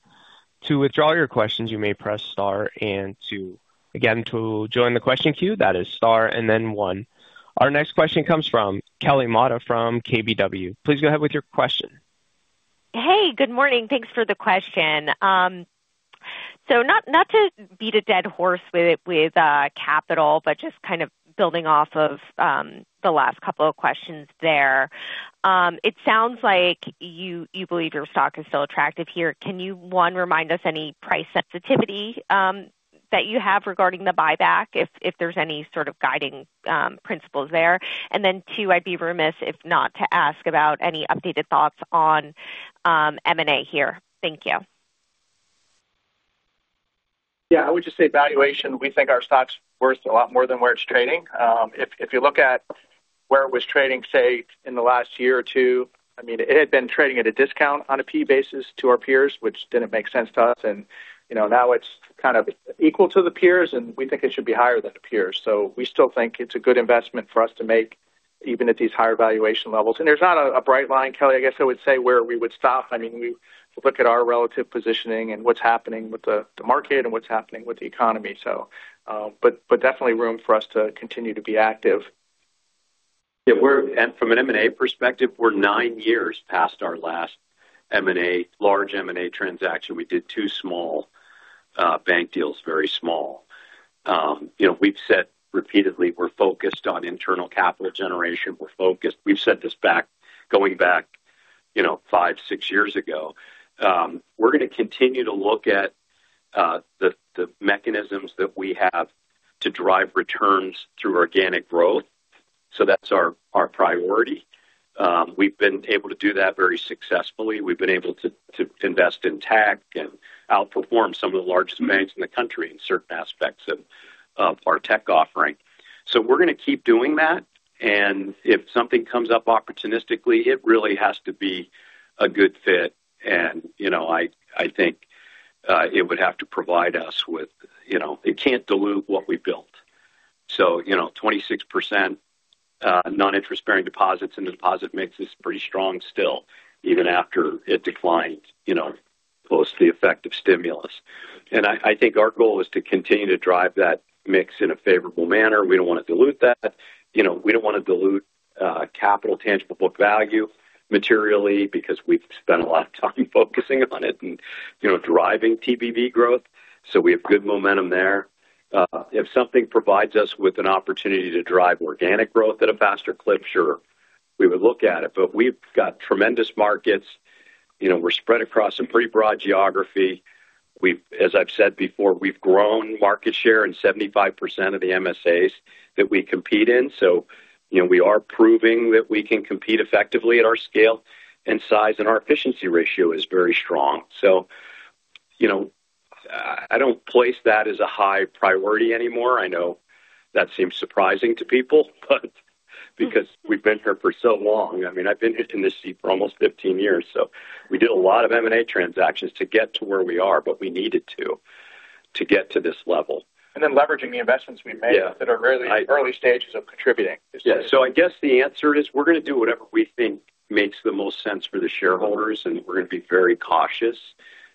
To withdraw your questions, you may press star and two, again, join the question queue, that is star and then one. Our next question comes from Kelly Motta from KBW. Please go ahead with your question. Hey, good morning. Thanks for the question. So not to beat a dead horse with capital, but just kind of building off of the last couple of questions there. It sounds like you believe your stock is still attractive here. Can you, one, remind us any price sensitivity that you have regarding the buyback, if there's any sort of guiding principles there? And then two, I'd be remiss if not to ask about any updated thoughts on M&A here. Thank you. Yeah. I would just say valuation. We think our stock's worth a lot more than where it's trading. If you look at where it was trading, say, in the last year or two, I mean, it had been trading at a discount on a PE basis to our peers, which didn't make sense to us. And now it's kind of equal to the peers, and we think it should be higher than the peers. So we still think it's a good investment for us to make even at these higher valuation levels. And there's not a bright line, Kelly, I guess I would say, where we would stop. I mean, we look at our relative positioning and what's happening with the market and what's happening with the economy. But definitely room for us to continue to be active. Yeah. From an M&A perspective, we're nine years past our last M&A, large M&A transaction. We did two small bank deals, very small. We've said repeatedly we're focused on internal capital generation. We've said this going back five, six years ago. We're going to continue to look at the mechanisms that we have to drive returns through organic growth, so that's our priority. We've been able to do that very successfully. We've been able to invest in tech and outperform some of the largest banks in the country in certain aspects of our tech offering, so we're going to keep doing that, and if something comes up opportunistically, it really has to be a good fit, and I think it would have to provide us with it. It can't dilute what we built. So 26% non-interest-bearing deposits in the deposit mix is pretty strong still, even after it declined post the effect of stimulus. And I think our goal is to continue to drive that mix in a favorable manner. We don't want to dilute that. We don't want to dilute capital, tangible book value materially because we've spent a lot of time focusing on it and driving TBV growth. So we have good momentum there. If something provides us with an opportunity to drive organic growth at a faster clip, sure, we would look at it. But we've got tremendous markets. We're spread across a pretty broad geography. As I've said before, we've grown market share in 75% of the MSAs that we compete in. So we are proving that we can compete effectively at our scale and size. And our efficiency ratio is very strong. So I don't place that as a high priority anymore. I know that seems surprising to people, but because we've been here for so long. I mean, I've been in this seat for almost 15 years. So we did a lot of M&A transactions to get to where we are, but we needed to get to this level. And then leveraging the investments we made that are really early stages of contributing. Yeah. So I guess the answer is we're going to do whatever we think makes the most sense for the shareholders. And we're going to be very cautious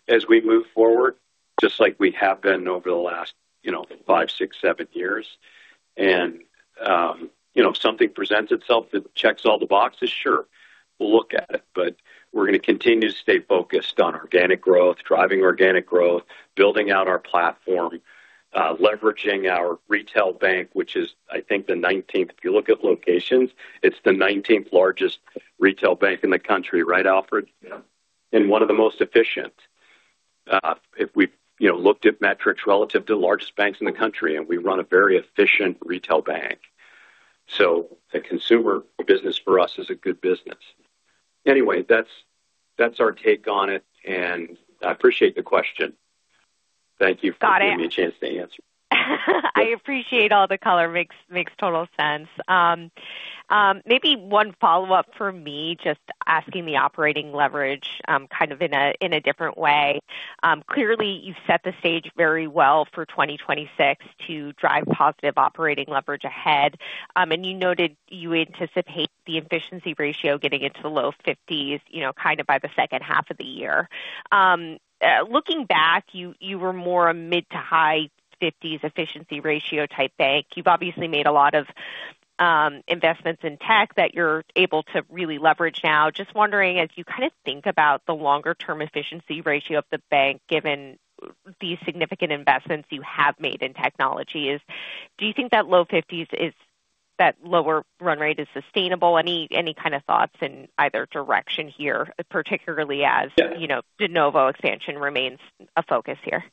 as we move forward, just like we have been over the last five, six, seven years. And if something presents itself that checks all the boxes, sure, we'll look at it. But we're going to continue to stay focused on organic growth, driving organic growth, building out our platform, leveraging our retail bank, which is, I think, the 19th. If you look at locations, it's the 19th largest retail bank in the country, right, Alpha? Yeah. And one of the most efficient. If we've looked at metrics relative to the largest banks in the country, and we run a very efficient retail bank, so the consumer business for us is a good business. Anyway, that's our take on it, and I appreciate the question. Thank you for giving me a chance to answer. I appreciate all the color. Makes total sense. Maybe one follow-up for me, just asking the operating leverage kind of in a different way. Clearly, you've set the stage very well for 2026 to drive positive operating leverage ahead. And you noted you anticipate the efficiency ratio getting into the low 50s kind of by the second half of the year. Looking back, you were more a mid to high 50s efficiency ratio type bank. You've obviously made a lot of investments in tech that you're able to really leverage now. Just wondering, as you kind of think about the longer-term efficiency ratio of the bank, given these significant investments you have made in technologies, do you think that low 50s, that lower run rate is sustainable? Any kind of thoughts in either direction here, particularly as de novo expansion remains a focus here?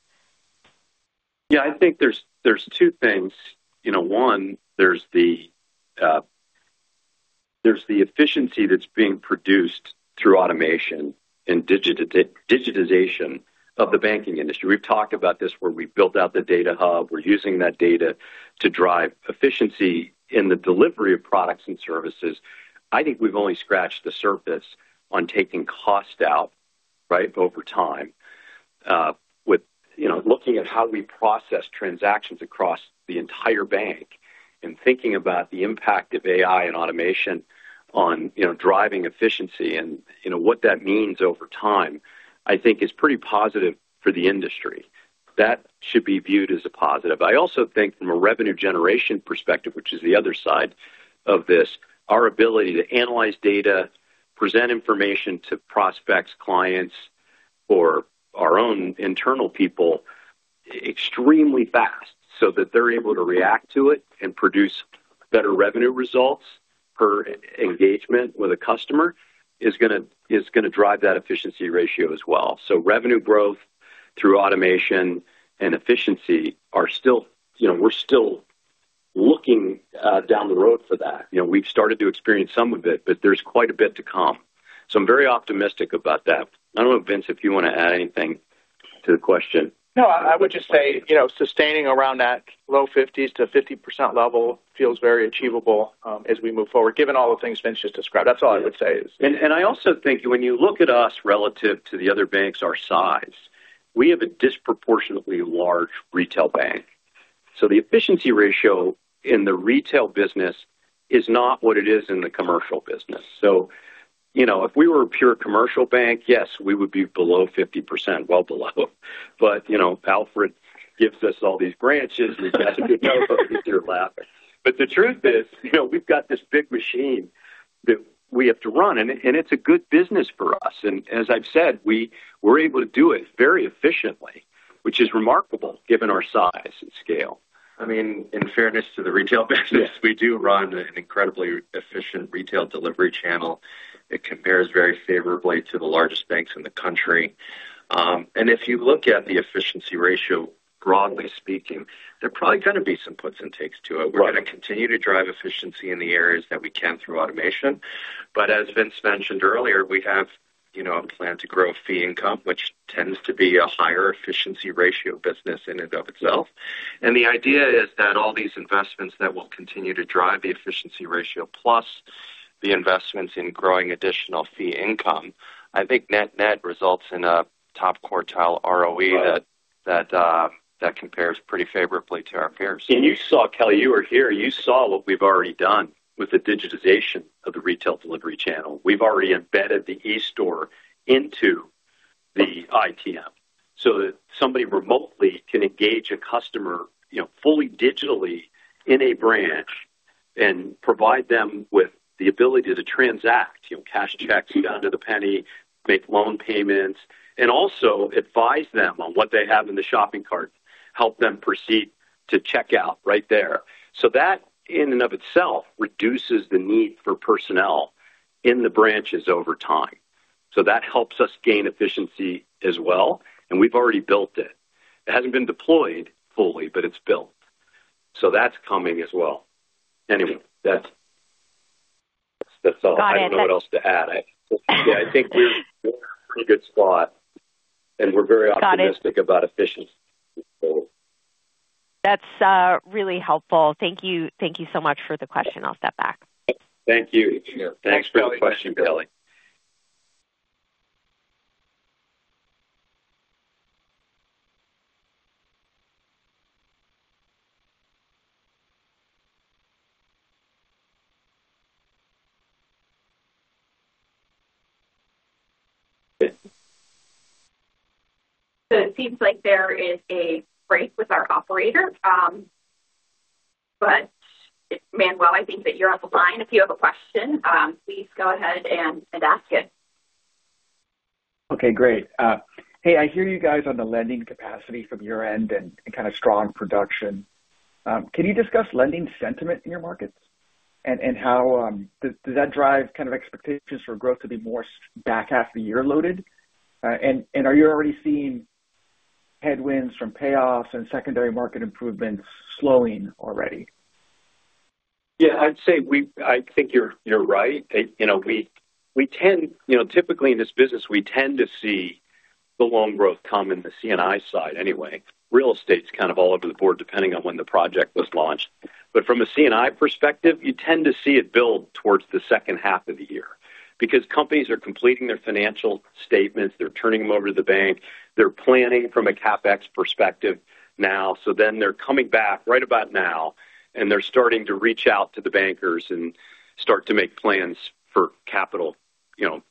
Yeah. I think there's two things. One, there's the efficiency that's being produced through automation and digitization of the banking industry. We've talked about this where we've built out the data hub. We're using that data to drive efficiency in the delivery of products and services. I think we've only scratched the surface on taking cost out, right, over time. With looking at how we process transactions across the entire bank and thinking about the impact of AI and automation on driving efficiency and what that means over time, I think is pretty positive for the industry. That should be viewed as a positive. I also think from a revenue generation perspective, which is the other side of this, our ability to analyze data, present information to prospects, clients, or our own internal people extremely fast so that they're able to react to it and produce better revenue results per engagement with a customer is going to drive that efficiency ratio as well. So revenue growth through automation and efficiency are still looking down the road for that. We've started to experience some of it, but there's quite a bit to come. So I'm very optimistic about that. I don't know, Vince, if you want to add anything to the question. No, I would just say sustaining around that low 50s-50% level feels very achievable as we move forward, given all the things Vince just described. That's all I would say is. I also think when you look at us relative to the other banks, our size, we have a disproportionately large retail bank. The efficiency ratio in the retail business is not what it is in the commercial business. If we were a pure commercial bank, yes, we would be below 50%, well below. Alpha gives us all these branches. We've got to do not easier laugh. The truth is we've got this big machine that we have to run. It's a good business for us. As I've said, we're able to do it very efficiently, which is remarkable given our size and scale. I mean, in fairness to the retail business, we do run an incredibly efficient retail delivery channel. It compares very favorably to the largest banks in the country. And if you look at the efficiency ratio, broadly speaking, there are probably going to be some puts and takes to it. We're going to continue to drive efficiency in the areas that we can through automation. But as Vince mentioned earlier, we have a plan to grow fee income, which tends to be a higher efficiency ratio business in and of itself. And the idea is that all these investments that will continue to drive the efficiency ratio plus the investments in growing additional fee income, I think net-net results in a top quartile ROE that compares pretty favorably to our peers. And you saw, Kelly, you were here. You saw what we've already done with the digitization of the retail delivery channel. We've already embedded the eStore into the ITM. So somebody remotely can engage a customer fully digitally in a branch and provide them with the ability to transact, cash checks down to the penny, make loan payments, and also advise them on what they have in the shopping cart, help them proceed to checkout right there. So that in and of itself reduces the need for personnel in the branches over time. So that helps us gain efficiency as well. And we've already built it. It hasn't been deployed fully, but it's built. So that's coming as well. Anyway, that's all. I don't know what else to add. Yeah, I think we're in a pretty good spot. And we're very optimistic about efficiency. That's really helpful. Thank you so much for the question. I'll step back. Thank you. Thanks for the question, Kelly. So it seems like there is a break with our operator. But, Manuel, I think that you're on the line. If you have a question, please go ahead and ask it. Okay, great. Hey, I hear you guys on the lending capacity from your end and kind of strong production. Can you discuss lending sentiment in your markets? And does that drive kind of expectations for growth to be more back half of the year loaded? And are you already seeing headwinds from payoffs and secondary market improvements slowing already? Yeah, I'd say I think you're right. We tend, typically in this business, we tend to see the loan growth come in the C&I side anyway. Real estate's kind of all over the board depending on when the project was launched. But from a C&I perspective, you tend to see it build towards the second half of the year because companies are completing their financial statements. They're turning them over to the bank. They're planning from a CapEx perspective now. So then they're coming back right about now, and they're starting to reach out to the bankers and start to make plans for capital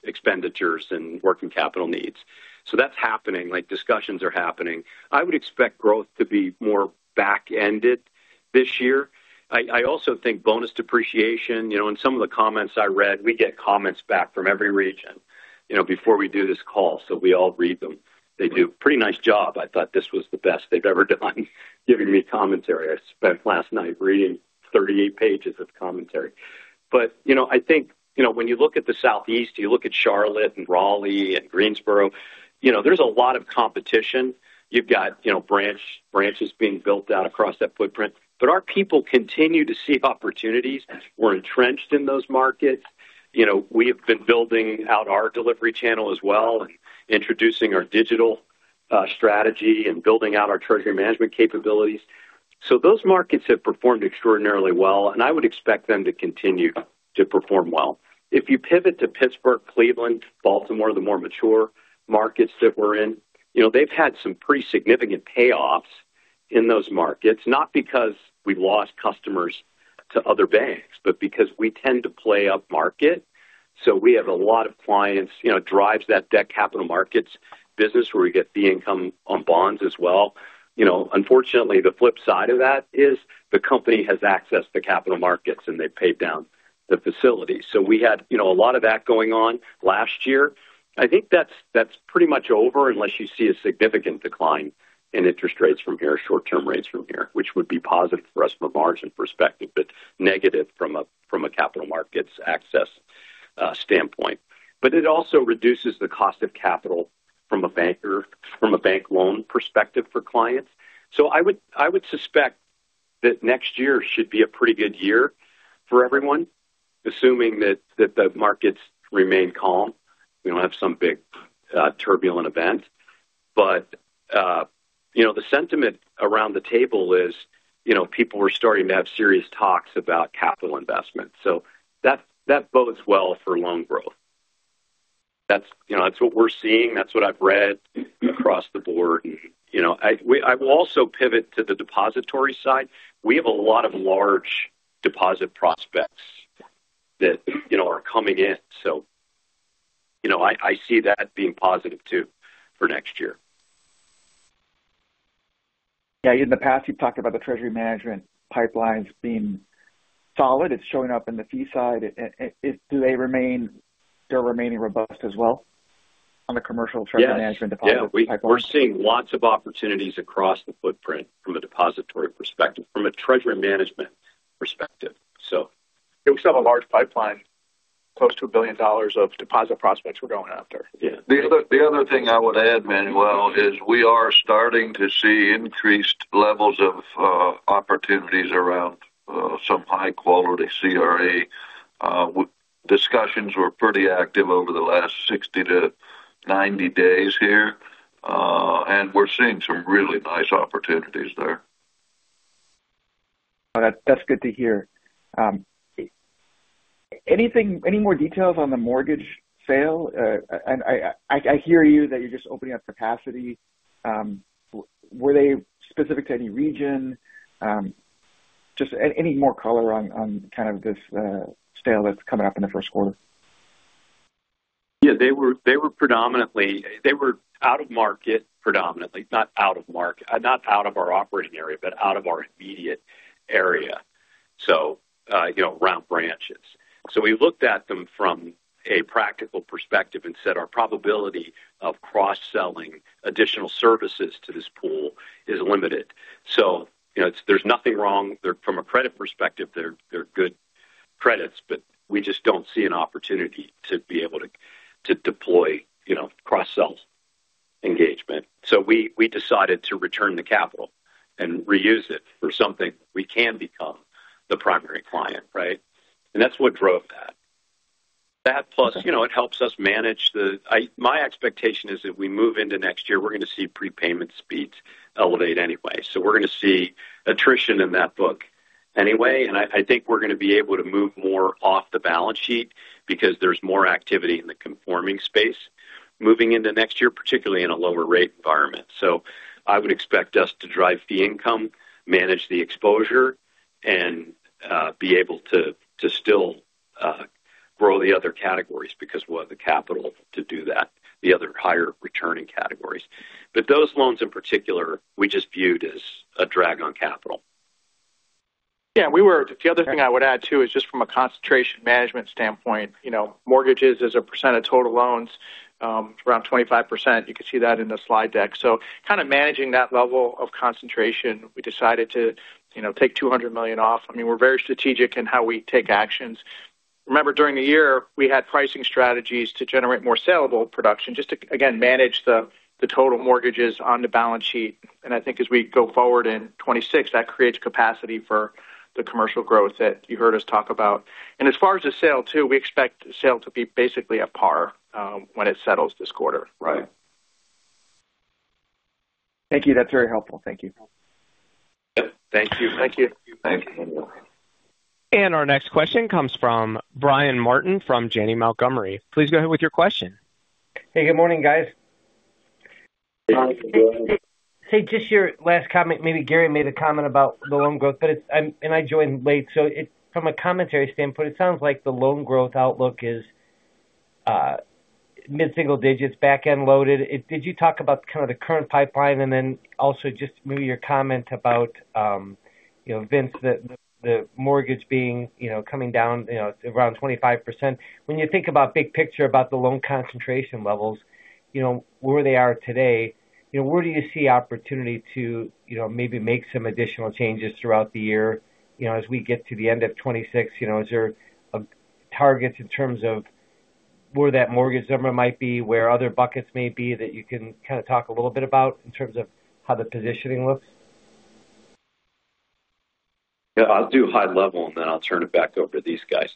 expenditures and working capital needs. So that's happening. Discussions are happening. I would expect growth to be more back-ended this year. I also think bonus depreciation. In some of the comments I read, we get comments back from every region before we do this call. So we all read them. They do a pretty nice job. I thought this was the best they've ever done giving me commentary. I spent last night reading 38 pages of commentary. But I think when you look at the Southeast, you look at Charlotte and Raleigh and Greensboro, there's a lot of competition. You've got branches being built out across that footprint. But our people continue to see opportunities. We're entrenched in those markets. We have been building out our delivery channel as well and introducing our digital strategy and building out our treasury management capabilities. So those markets have performed extraordinarily well. And I would expect them to continue to perform well. If you pivot to Pittsburgh, Cleveland, Baltimore, the more mature markets that we're in, they've had some pretty significant payoffs in those markets, not because we've lost customers to other banks, but because we tend to play up market. So we have a lot of clients. It drives that debt capital markets business where we get the income on bonds as well. Unfortunately, the flip side of that is the company has access to capital markets, and they've paid down the facility. So we had a lot of that going on last year. I think that's pretty much over unless you see a significant decline in interest rates from here, short-term rates from here, which would be positive for us from a margin perspective, but negative from a capital markets access standpoint. But it also reduces the cost of capital from a bank loan perspective for clients. So I would suspect that next year should be a pretty good year for everyone, assuming that the markets remain calm. We don't have some big turbulent event. But the sentiment around the table is people are starting to have serious talks about capital investment. So that bodes well for loan growth. That's what we're seeing. That's what I've read across the board. I will also pivot to the depository side. We have a lot of large deposit prospects that are coming in. So I see that being positive too for next year. Yeah. In the past, you've talked about the treasury management pipelines being solid. It's showing up in the fee side. Do they remain robust as well on the commercial treasury management deposit pipeline? Yeah. We're seeing lots of opportunities across the footprint from a depository perspective, from a treasury management perspective. We still have a large pipeline, close to $1 billion of deposit prospects we're going after. Yeah. The other thing I would add, Manuel, is we are starting to see increased levels of opportunities around some high-quality CRA. Discussions were pretty active over the last 60-90 days here, and we're seeing some really nice opportunities there. That's good to hear. Any more details on the mortgage sale? I hear you that you're just opening up capacity. Were they specific to any region? Just any more color on kind of this sale that's coming up in the first quarter? Yeah. They were out of market, predominantly. Not out of our operating area, but out of our immediate area, so around branches. So we looked at them from a practical perspective and said our probability of cross-selling additional services to this pool is limited. So there's nothing wrong. From a credit perspective, they're good credits, but we just don't see an opportunity to be able to deploy cross-sell engagement. So we decided to return the capital and reuse it for something we can become the primary client, right? And that's what drove that. That plus it helps us manage the my expectation is that we move into next year, we're going to see prepayment speeds elevate anyway. So we're going to see attrition in that book anyway. I think we're going to be able to move more off the balance sheet because there's more activity in the conforming space moving into next year, particularly in a lower rate environment. I would expect us to drive fee income, manage the exposure, and be able to still grow the other categories because we'll have the capital to do that, the other higher returning categories. Those loans in particular, we just viewed as a drag on capital. Yeah. The other thing I would add too is just from a concentration management standpoint, mortgages is a percent of total loans, around 25%. You can see that in the slide deck. So kind of managing that level of concentration, we decided to take $200 million off. I mean, we're very strategic in how we take actions. Remember, during the year, we had pricing strategies to generate more saleable production, just to, again, manage the total mortgages on the balance sheet. And I think as we go forward in 2026, that creates capacity for the commercial growth that you heard us talk about. And as far as the sale too, we expect the sale to be basically at par when it settles this quarter. Right. Thank you. That's very helpful. Thank you. Yep. Thank you. Thank you. Our next question comes from Brian Martin from Janney Montgomery. Please go ahead with your question. Hey, good morning, guys. Hey, just your last comment. Maybe Gary made a comment about the loan growth, and I joined late. So from a commentary standpoint, it sounds like the loan growth outlook is mid-single digits, back-end loaded. Did you talk about kind of the current pipeline and then also just maybe your comment about, Vince, the mortgage being coming down around 25%? When you think about big picture about the loan concentration levels, where they are today, where do you see opportunity to maybe make some additional changes throughout the year as we get to the end of 2026? Is there targets in terms of where that mortgage number might be, where other buckets may be that you can kind of talk a little bit about in terms of how the positioning looks? Yeah. I'll do high level, and then I'll turn it back over to these guys.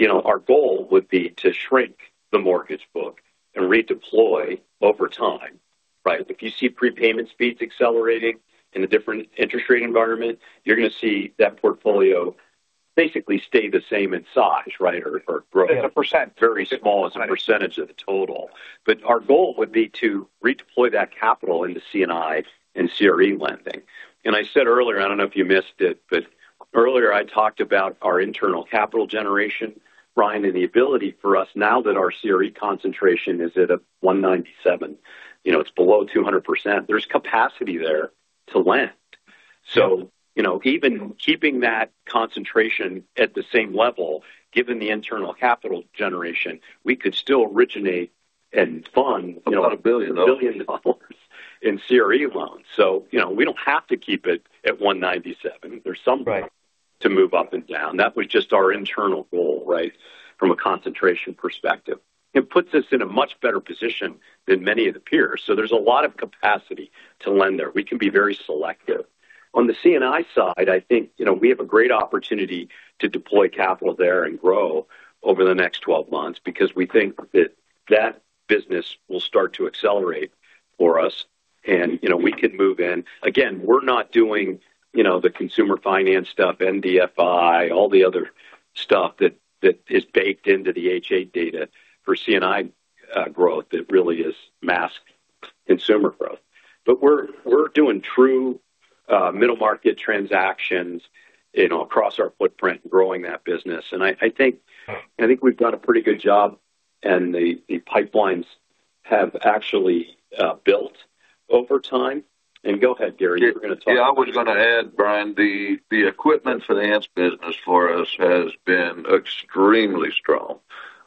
Our goal would be to shrink the mortgage book and redeploy over time, right? If you see prepayment speeds accelerating in a different interest rate environment, you're going to see that portfolio basically stay the same in size, right, or growth. It's a percentage. Very small as a percentage of the total. But our goal would be to redeploy that capital into C&I and CRE lending. And I said earlier, I don't know if you missed it, but earlier I talked about our internal capital generation, Brian, and the ability for us now that our CRE concentration is at a 197%. It's below 200%. There's capacity there to lend. So even keeping that concentration at the same level, given the internal capital generation, we could still originate and fund. $1 billion, though. $1 billion in CRE loans. So we don't have to keep it at 197. There's some room to move up and down. That was just our internal goal, right, from a concentration perspective. It puts us in a much better position than many of the peers. So there's a lot of capacity to lend there. We can be very selective. On the C&I side, I think we have a great opportunity to deploy capital there and grow over the next 12 months because we think that that business will start to accelerate for us, and we can move in. Again, we're not doing the consumer finance stuff, NBFI, all the other stuff that is baked into the H.8 data for C&I growth that really is masked consumer growth. But we're doing true middle market transactions across our footprint and growing that business. I think we've done a pretty good job, and the pipelines have actually built over time. Go ahead, Gary. You were going to talk about. Yeah. I was going to add, Brian, the equipment finance business for us has been extremely strong.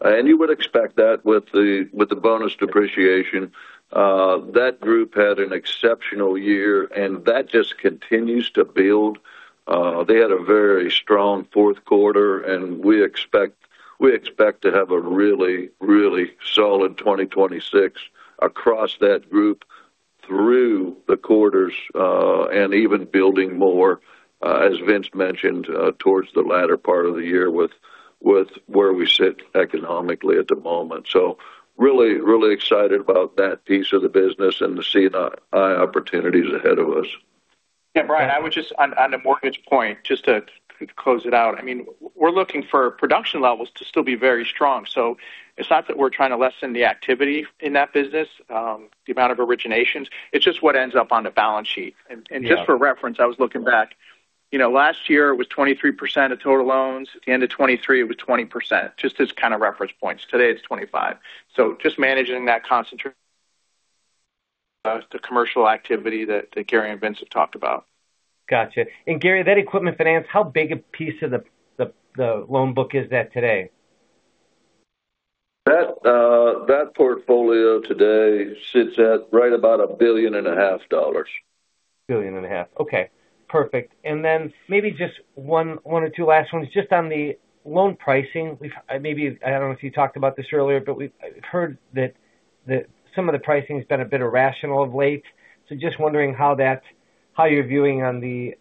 And you would expect that with the bonus depreciation. That group had an exceptional year, and that just continues to build. They had a very strong fourth quarter, and we expect to have a really, really solid 2026 across that group through the quarters and even building more, as Vince mentioned, towards the latter part of the year with where we sit economically at the moment. So really, really excited about that piece of the business and the C&I opportunities ahead of us. Yeah, Brian, I would just, on the mortgage point, just to close it out, I mean, we're looking for production levels to still be very strong. So it's not that we're trying to lessen the activity in that business, the amount of originations. It's just what ends up on the balance sheet. And just for reference, I was looking back. Last year, it was 23% of total loans. At the end of 2023, it was 20%. Just as kind of reference points. Today, it's 25%. So just managing that concentration, the commercial activity that Gary and Vince have talked about. Gotcha. And Gary, that equipment finance, how big a piece of the loan book is that today? That portfolio today sits at right about $1.5 billion. $1.5 billion. Okay. Perfect. And then maybe just one or two last ones. Just on the loan pricing, maybe I don't know if you talked about this earlier, but I've heard that some of the pricing has been a bit irrational of late. So just wondering how you're viewing on the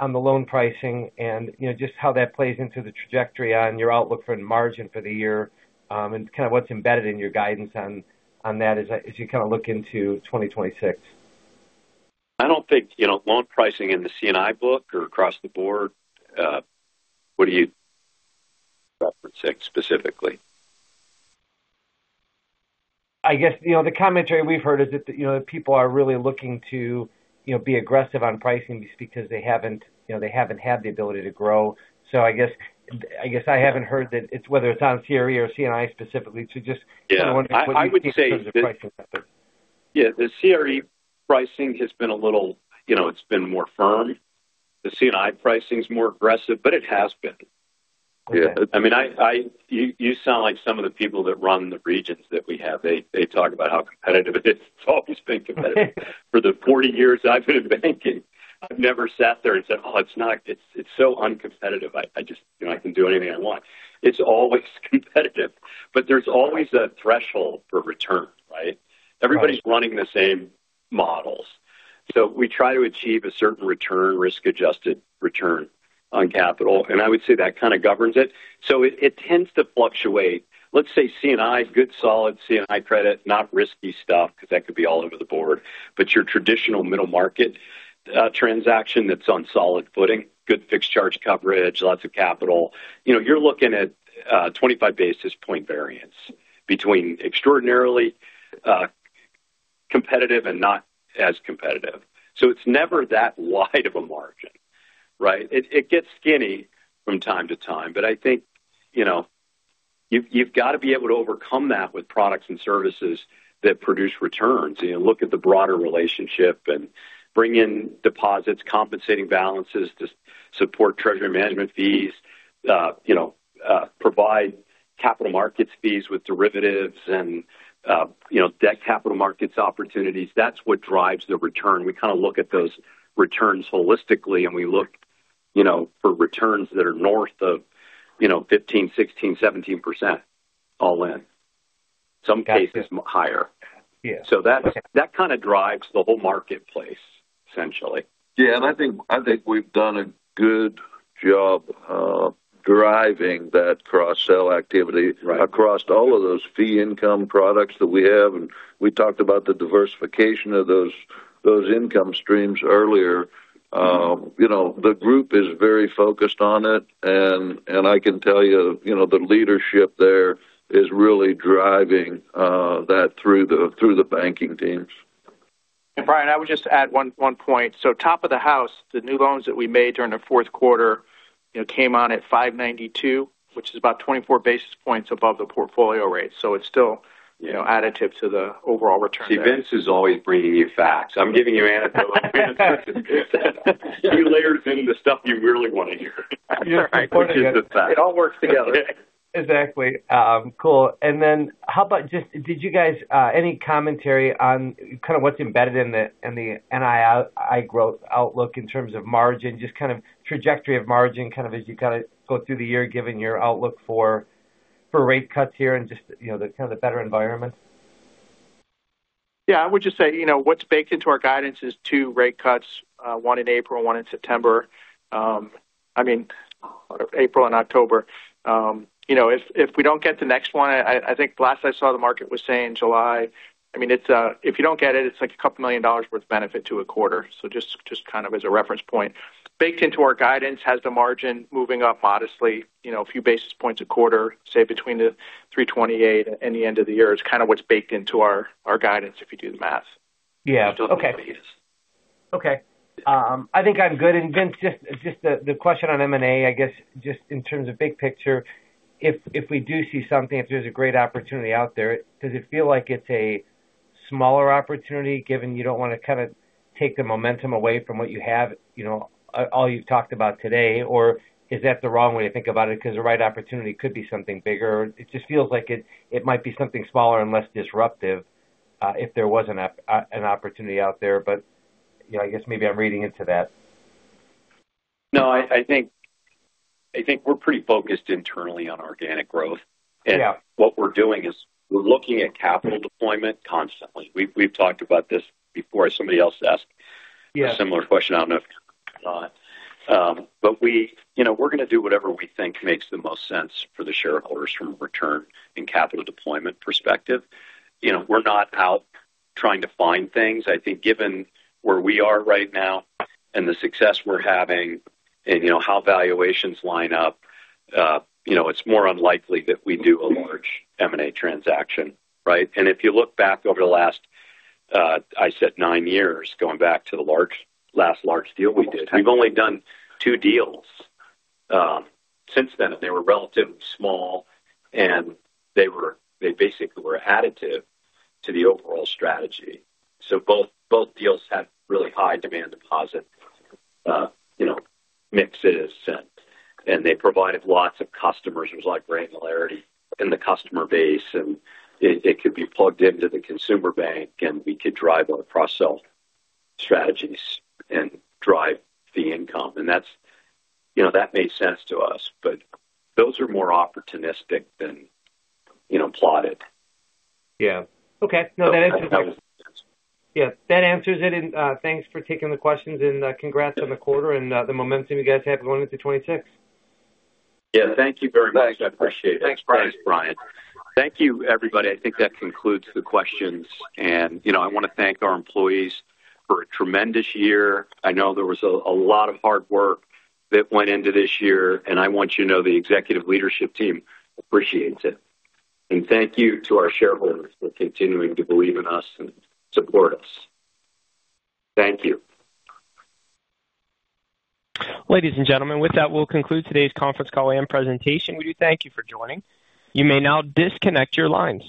loan pricing and just how that plays into the trajectory on your outlook for margin for the year and kind of what's embedded in your guidance on that as you kind of look into 2026. I don't think loan pricing in the C&I book or across the board. What do you reference specifically? I guess the commentary we've heard is that people are really looking to be aggressive on pricing just because they haven't had the ability to grow. So I guess I haven't heard that it's whether it's on CRE or C&I specifically. So just wondering what your conclusion is on pricing. Yeah. The CRE pricing has been a little. It's been more firm. The C&I pricing is more aggressive, but it has been. I mean, you sound like some of the people that run the regions that we have. They talk about how competitive. It's always been competitive. For the 40 years I've been in banking, I've never sat there and said, "Oh, it's so uncompetitive. I can do anything I want." It's always competitive. But there's always a threshold for return, right? Everybody's running the same models. So we try to achieve a certain return, risk-adjusted return on capital. And I would say that kind of governs it. So it tends to fluctuate. Let's say C&I, good, solid C&I credit, not risky stuff because that could be all over the board. But your traditional middle market transaction that's on solid footing, good fixed charge coverage, lots of capital, you're looking at 25 basis point variance between extraordinarily competitive and not as competitive. So it's never that wide of a margin, right? It gets skinny from time to time. But I think you've got to be able to overcome that with products and services that produce returns. Look at the broader relationship and bring in deposits, compensating balances to support treasury management fees, provide capital markets fees with derivatives and debt capital markets opportunities. That's what drives the return. We kind of look at those returns holistically, and we look for returns that are north of 15%, 16%, 17% all in. Some cases higher. So that kind of drives the whole marketplace, essentially. Yeah. And I think we've done a good job driving that cross-sell activity across all of those fee income products that we have. And we talked about the diversification of those income streams earlier. The group is very focused on it. And I can tell you the leadership there is really driving that through the banking teams. Brian, I would just add one point. So top of the house, the new loans that we made during the fourth quarter came on at 592, which is about 24 basis points above the portfolio rate. So it's still additive to the overall return there. See, Vince is always bringing you facts. I'm giving you anecdotes. He layers in the stuff you really want to hear. It all works together. Exactly. Cool. And then how about just did you guys any commentary on kind of what's embedded in the NII growth outlook in terms of margin, just kind of trajectory of margin kind of as you kind of go through the year given your outlook for rate cuts here and just kind of the better environment? Yeah. I would just say what's baked into our guidance is two rate cuts, one in April, one in September. I mean, April and October. If we don't get the next one, I think last I saw the market was saying July. I mean, if you don't get it, it's like $2 million worth of benefit to a quarter. So just kind of as a reference point. Baked into our guidance has the margin moving up modestly, a few basis points a quarter, say, between the 328 and the end of the year. It's kind of what's baked into our guidance if you do the math. Yeah. Okay. Okay. I think I'm good, and Vince, just the question on M&A, I guess, just in terms of big picture, if we do see something, if there's a great opportunity out there, does it feel like it's a smaller opportunity given you don't want to kind of take the momentum away from what you have, all you've talked about today? Or is that the wrong way to think about it because the right opportunity could be something bigger? It just feels like it might be something smaller and less disruptive if there was an opportunity out there, but I guess maybe I'm reading into that. No, I think we're pretty focused internally on organic growth. And what we're doing is we're looking at capital deployment constantly. We've talked about this before. Somebody else asked a similar question. I don't know if but we're going to do whatever we think makes the most sense for the shareholders from a return and capital deployment perspective. We're not out trying to find things. I think given where we are right now and the success we're having and how valuations line up, it's more unlikely that we do a large M&A transaction, right? And if you look back over the last, I said, nine years, going back to the last large deal we did, we've only done two deals since then, and they were relatively small, and they basically were additive to the overall strategy. So both deals had really high demand deposit mixes, and they provided lots of customers. It was like granularity in the customer base, and it could be plugged into the consumer bank, and we could drive our cross-sell strategies and drive the income. And that made sense to us, but those are more opportunistic than planned. Yeah. Okay. No, that answers it. Yeah. That answers it. And thanks for taking the questions, and congrats on the quarter and the momentum you guys have going into 2026. Yeah. Thank you very much. I appreciate it. Thanks, Brian. Thanks, Brian. Thank you, everybody. I think that concludes the questions. And I want to thank our employees for a tremendous year. I know there was a lot of hard work that went into this year, and I want you to know the executive leadership team appreciates it. And thank you to our shareholders for continuing to believe in us and support us. Thank you. Ladies and gentlemen, with that, we'll conclude today's conference call and presentation. We do thank you for joining. You may now disconnect your lines.